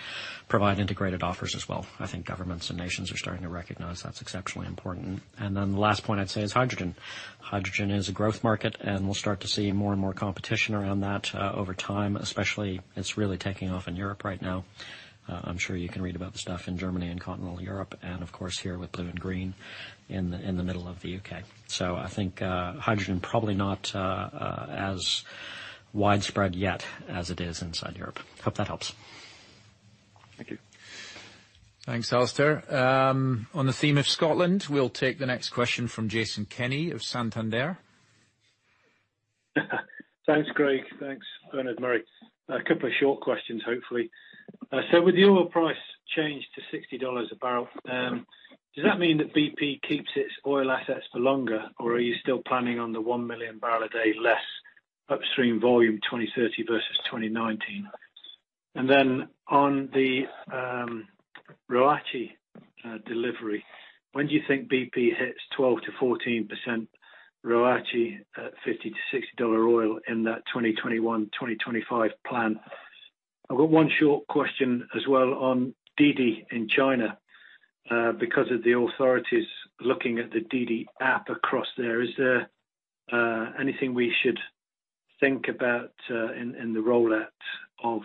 provide integrated offers as well. I think governments and nations are starting to recognize that's exceptionally important. The last point I'd say is hydrogen. Hydrogen is a growth market. We'll start to see more and more competition around that over time, especially it's really taking off in Europe right now. I'm sure you can read about the stuff in Germany and continental Europe and of course here with blue and green in the middle of the U.K. I think hydrogen probably not as widespread yet as it is inside Europe. Hope that helps. Thank you. Thanks, Alastair. On the theme of Scotland, we'll take the next question from Jason Kenney of Santander. Thanks, Craig. Thanks, Bernard, Murray. A couple of short questions, hopefully. With the oil price change to $60 a barrel, does that mean that BP keeps its oil assets for longer, or are you still planning on the 1 MMbpd less upstream volume 2030 versus 2019? On the ROACE delivery, when do you think BP hits 12%-14% ROACE at $50-$60 oil in that 2021-2025 plan? I've got one short question as well on DiDi in China. Because of the authorities looking at the DiDi app across there, is there anything we should think about in the rollout of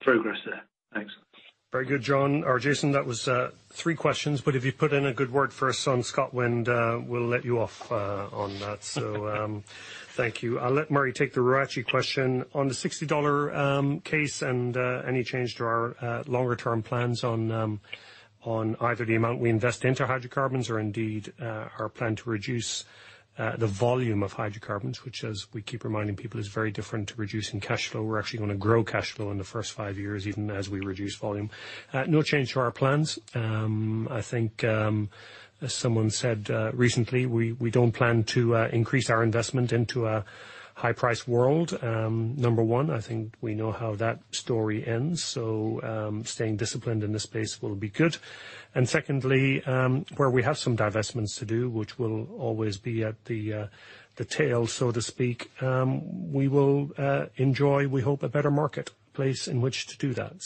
progress there? Thanks. Very good, Jon or Jason. That was three questions, but if you put in a good word for us on ScotWind, we'll let you off on that. Thank you. I'll let Murray take the ROACE question. On the $60 case and any change to our longer-term plans on either the amount we invest into hydrocarbons or indeed our plan to reduce the volume of hydrocarbons, which as we keep reminding people, is very different to reducing cash flow. We're actually going to grow cash flow in the first five years, even as we reduce volume. No change to our plans. I think, as someone said recently, we don't plan to increase our investment into a high price world. Number one, I think we know how that story ends. Staying disciplined in this space will be good. Secondly, where we have some divestments to do, which will always be at the tail, so to speak, we will enjoy, we hope, a better marketplace in which to do that.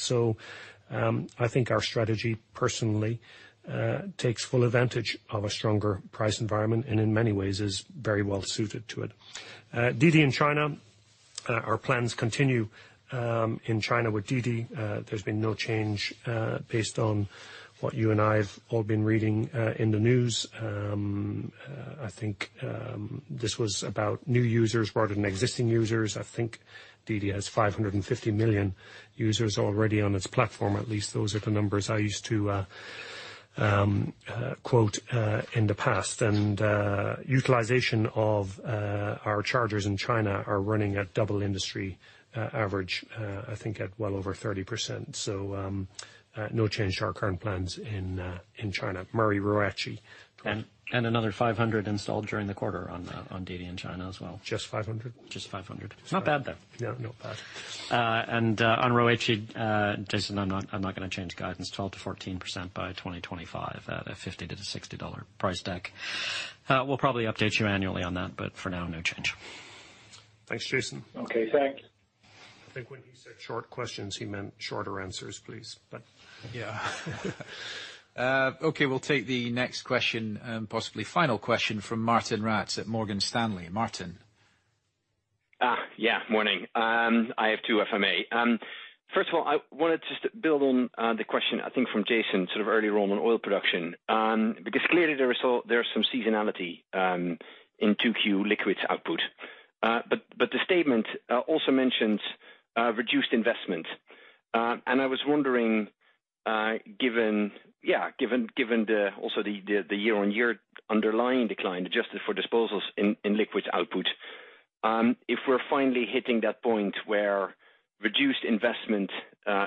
I think our strategy personally, takes full advantage of a stronger price environment and in many ways is very well suited to it. DiDi in China, our plans continue in China with DiDi. There's been no change based on what you and I have all been reading in the news. I think this was about new users rather than existing users. I think DiDi has 550 million users already on its platform. At least those are the numbers I used to quote in the past. Utilization of our chargers in China are running at double industry average, I think at well over 30%. No change to our current plans in China. Murray, ROACE. Another $500 installed during the quarter on DiDi in China as well. Just $500? Just $500. It's not bad, though. Yeah, not bad. On ROACE, Jason, I'm not going to change guidance 12%-14% by 2025 at a $50-$60 price deck. We'll probably update you annually on that, but for now, no change. Thanks, Jason. Okay, thanks. I think when he said short questions, he meant shorter answers, please. Yeah. Okay. We'll take the next question, possibly final question from Martijn Rats at Morgan Stanley. Martijn. Yeah. Morning. I have two, if I may. I wanted to build on the question, I think from Jason, sort of early on oil production. Clearly there is some seasonality in 2Q liquids output. The statement also mentions reduced investment. I was wondering, given the year-on-year underlying decline adjusted for disposals in liquids output, if we're finally hitting that point where reduced investment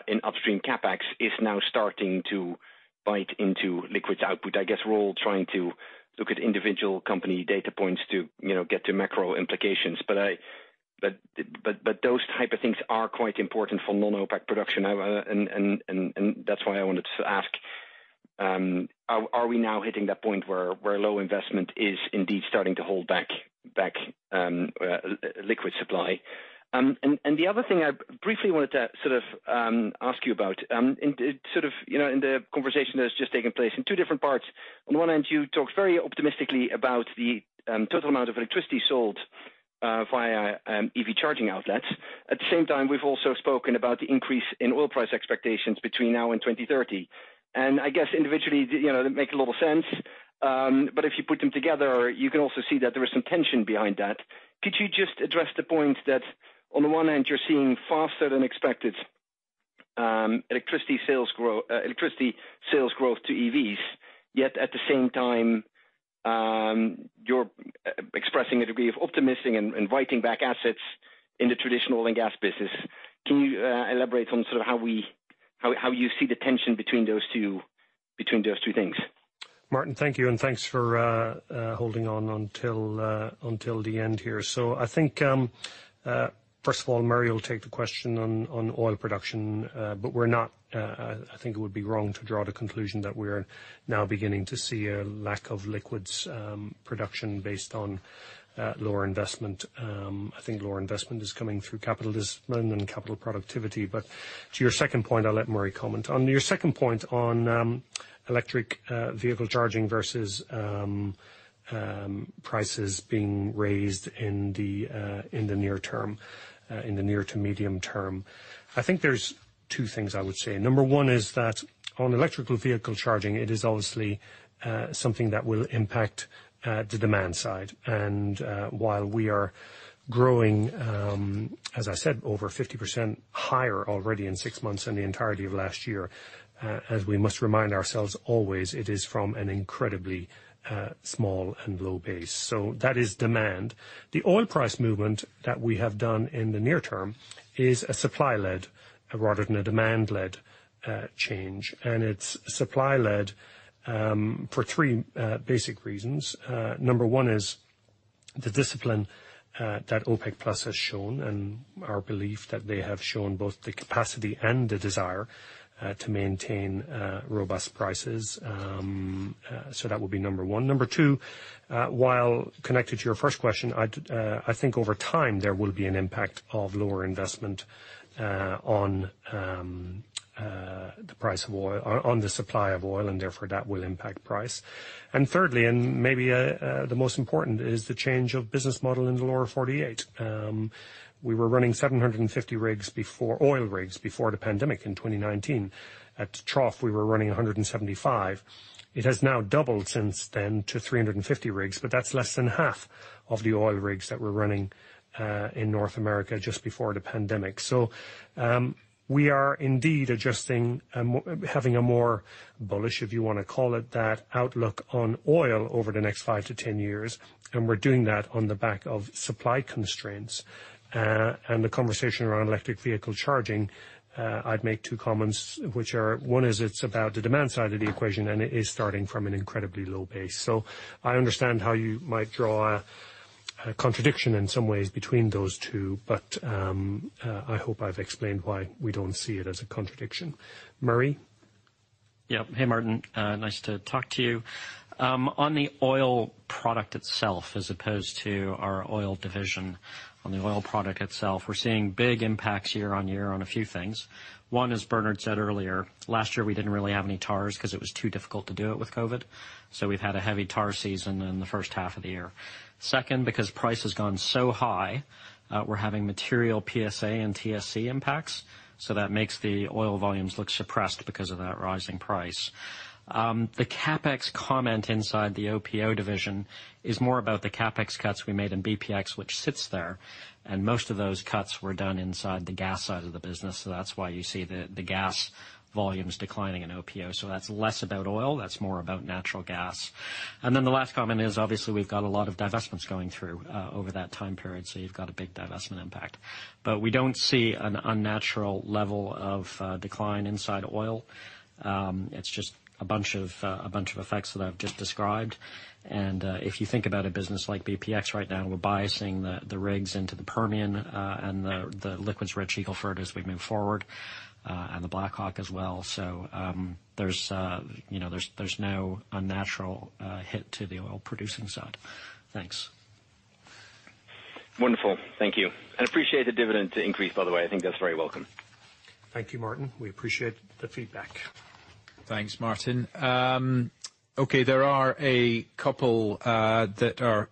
in upstream CapEx is now starting to bite into liquids output. I guess we're all trying to look at individual company data points to get to macro implications. Those type of things are quite important for non-OPEC production. That's why I wanted to ask, are we now hitting that point where low investment is indeed starting to hold back liquid supply? The other thing I briefly wanted to ask you about in the conversation that's just taken place in two different parts. On one end, you talked very optimistically about the total amount of electricity sold via EV charging outlets. At the same time, we've also spoken about the increase in oil price expectations between now and 2030. I guess individually, that make a little sense. If you put them together, you can also see that there is some tension behind that. Could you just address the point that on the one hand, you're seeing faster than expected electricity sales growth to EVs, yet at the same time, you're expressing a degree of optimism in inviting back assets in the traditional and gas business. Can you elaborate on how you see the tension between those two things? Martijn, thank you, and thanks for holding on until the end here. I think, first of all, Murray will take the question on oil production. I think it would be wrong to draw the conclusion that we are now beginning to see a lack of liquids production based on lower investment. I think lower investment is coming through capital discipline and capital productivity. To your second point, I'll let Murray comment. On your second point on electric vehicle charging versus prices being raised in the near to medium term, I think there's two things I would say. Number one is that on electric vehicle charging, it is obviously something that will impact the demand side. While we are growing, as I said, over 50% higher already in six months than the entirety of last year, as we must remind ourselves always, it is from an incredibly small and low base. That is demand. The oil price movement that we have done in the near term is a supply-led rather than a demand-led change. It is supply-led for three basic reasons. Number one is the discipline that OPEC+ has shown, and our belief that they have shown both the capacity and the desire to maintain robust prices. That would be number one. Number two, while connected to your first question, I think over time there will be an impact of lower investment on the supply of oil, and therefore that will impact price. Thirdly, and maybe the most important, is the change of business model in the Lower 48. We were running 750 oil rigs before the pandemic in 2019. At trough, we were running 175 rigs. It has now doubled since then to 350 rigs, but that's less than half of the oil rigs that were running in North America just before the pandemic. We are indeed adjusting, having a more bullish, if you want to call it that, outlook on oil over the next five to 10 years, and we're doing that on the back of supply constraints. The conversation around electric vehicle charging, I'd make two comments, which are, one is it's about the demand side of the equation, and it is starting from an incredibly low base. I understand how you might draw a contradiction in some ways between those two, but, I hope I've explained why we don't see it as a contradiction. Murray? Yep. Hey, Martijn. Nice to talk to you. On the oil product itself, as opposed to our oil division, on the oil product itself, we're seeing big impacts year-on-year on a few things. One, as Bernard said earlier, last year we didn't really have any TARs because it was too difficult to do it with COVID. We've had a heavy TAR season in the first half of the year. Second, because price has gone so high, we're having material PSA and TSC impacts. That makes the oil volumes look suppressed because of that rising price. The CapEx comment inside the OPO division is more about the CapEx cuts we made in bpx, which sits there. Most of those cuts were done inside the gas side of the business. That's why you see the gas volumes declining in OPO. That's less about oil, that's more about natural gas. Then the last comment is, obviously, we've got a lot of divestments going through over that time period, so you've got a big divestment impact. We don't see an unnatural level of decline inside oil. It's just a bunch of effects that I've just described. If you think about a business like bpx right now, we're biasing the rigs into the Permian, and the liquids-rich Eagle Ford as we move forward, and the Blackhawk as well. There's no unnatural hit to the oil-producing side. Thanks. Wonderful. Thank you. Appreciate the dividend increase, by the way. I think that's very welcome. Thank you, Martijn. We appreciate the feedback. Thanks, Martijn. Okay, there are a couple that are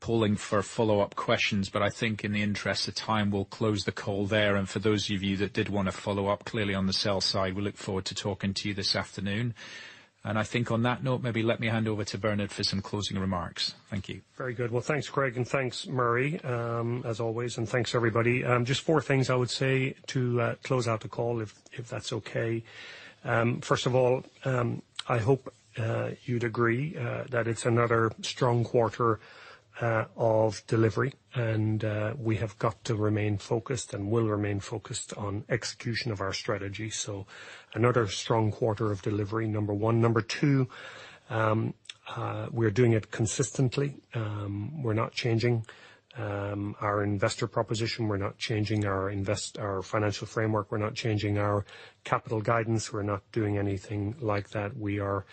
pooling for follow-up questions, but I think in the interest of time, we'll close the call there. For those of you that did want to follow up, clearly on the sell side, we look forward to talking to you this afternoon. I think on that note, maybe let me hand over to Bernard for some closing remarks. Thank you. Very good. Well, thanks, Greg, and thanks Murray, as always, and thanks everybody. Just four things I would say to close out the call, if that's okay. First of all, I hope you'd agree that it's another strong quarter of delivery, and we have got to remain focused and will remain focused on execution of our strategy. Another strong quarter of delivery, number one. Number two, we're doing it consistently. We're not changing our investor proposition. We're not changing our financial framework. We're not changing our capital guidance. We're not doing anything like that. We are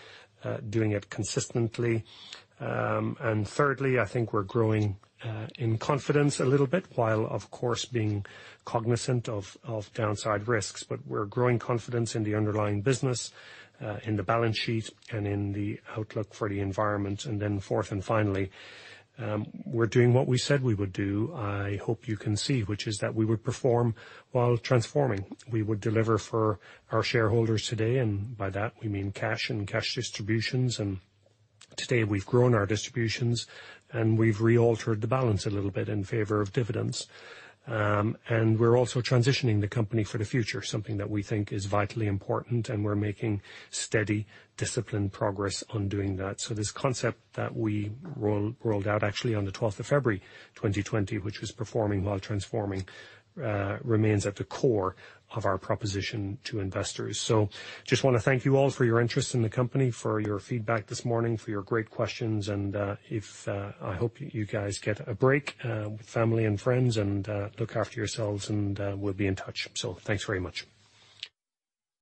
doing it consistently. Thirdly, I think we're growing in confidence a little bit, while of course, being cognizant of downside risks. We're growing confidence in the underlying business, in the balance sheet, and in the outlook for the environment. Fourth and finally, we're doing what we said we would do. I hope you can see, which is that we would perform while transforming. We would deliver for our shareholders today, and by that we mean cash and cash distributions. Today we've grown our distributions, and we've realtered the balance a little bit in favor of dividends. We're also transitioning the company for the future, something that we think is vitally important, and we're making steady, disciplined progress on doing that. This concept that we rolled out actually on the February 12th, 2020, which was Performing While Transforming, remains at the core of our proposition to investors. We just want to thank you all for your interest in the company, for your feedback this morning, for your great questions. I hope you guys get a break with family and friends, and look after yourselves, and we'll be in touch. Thanks very much.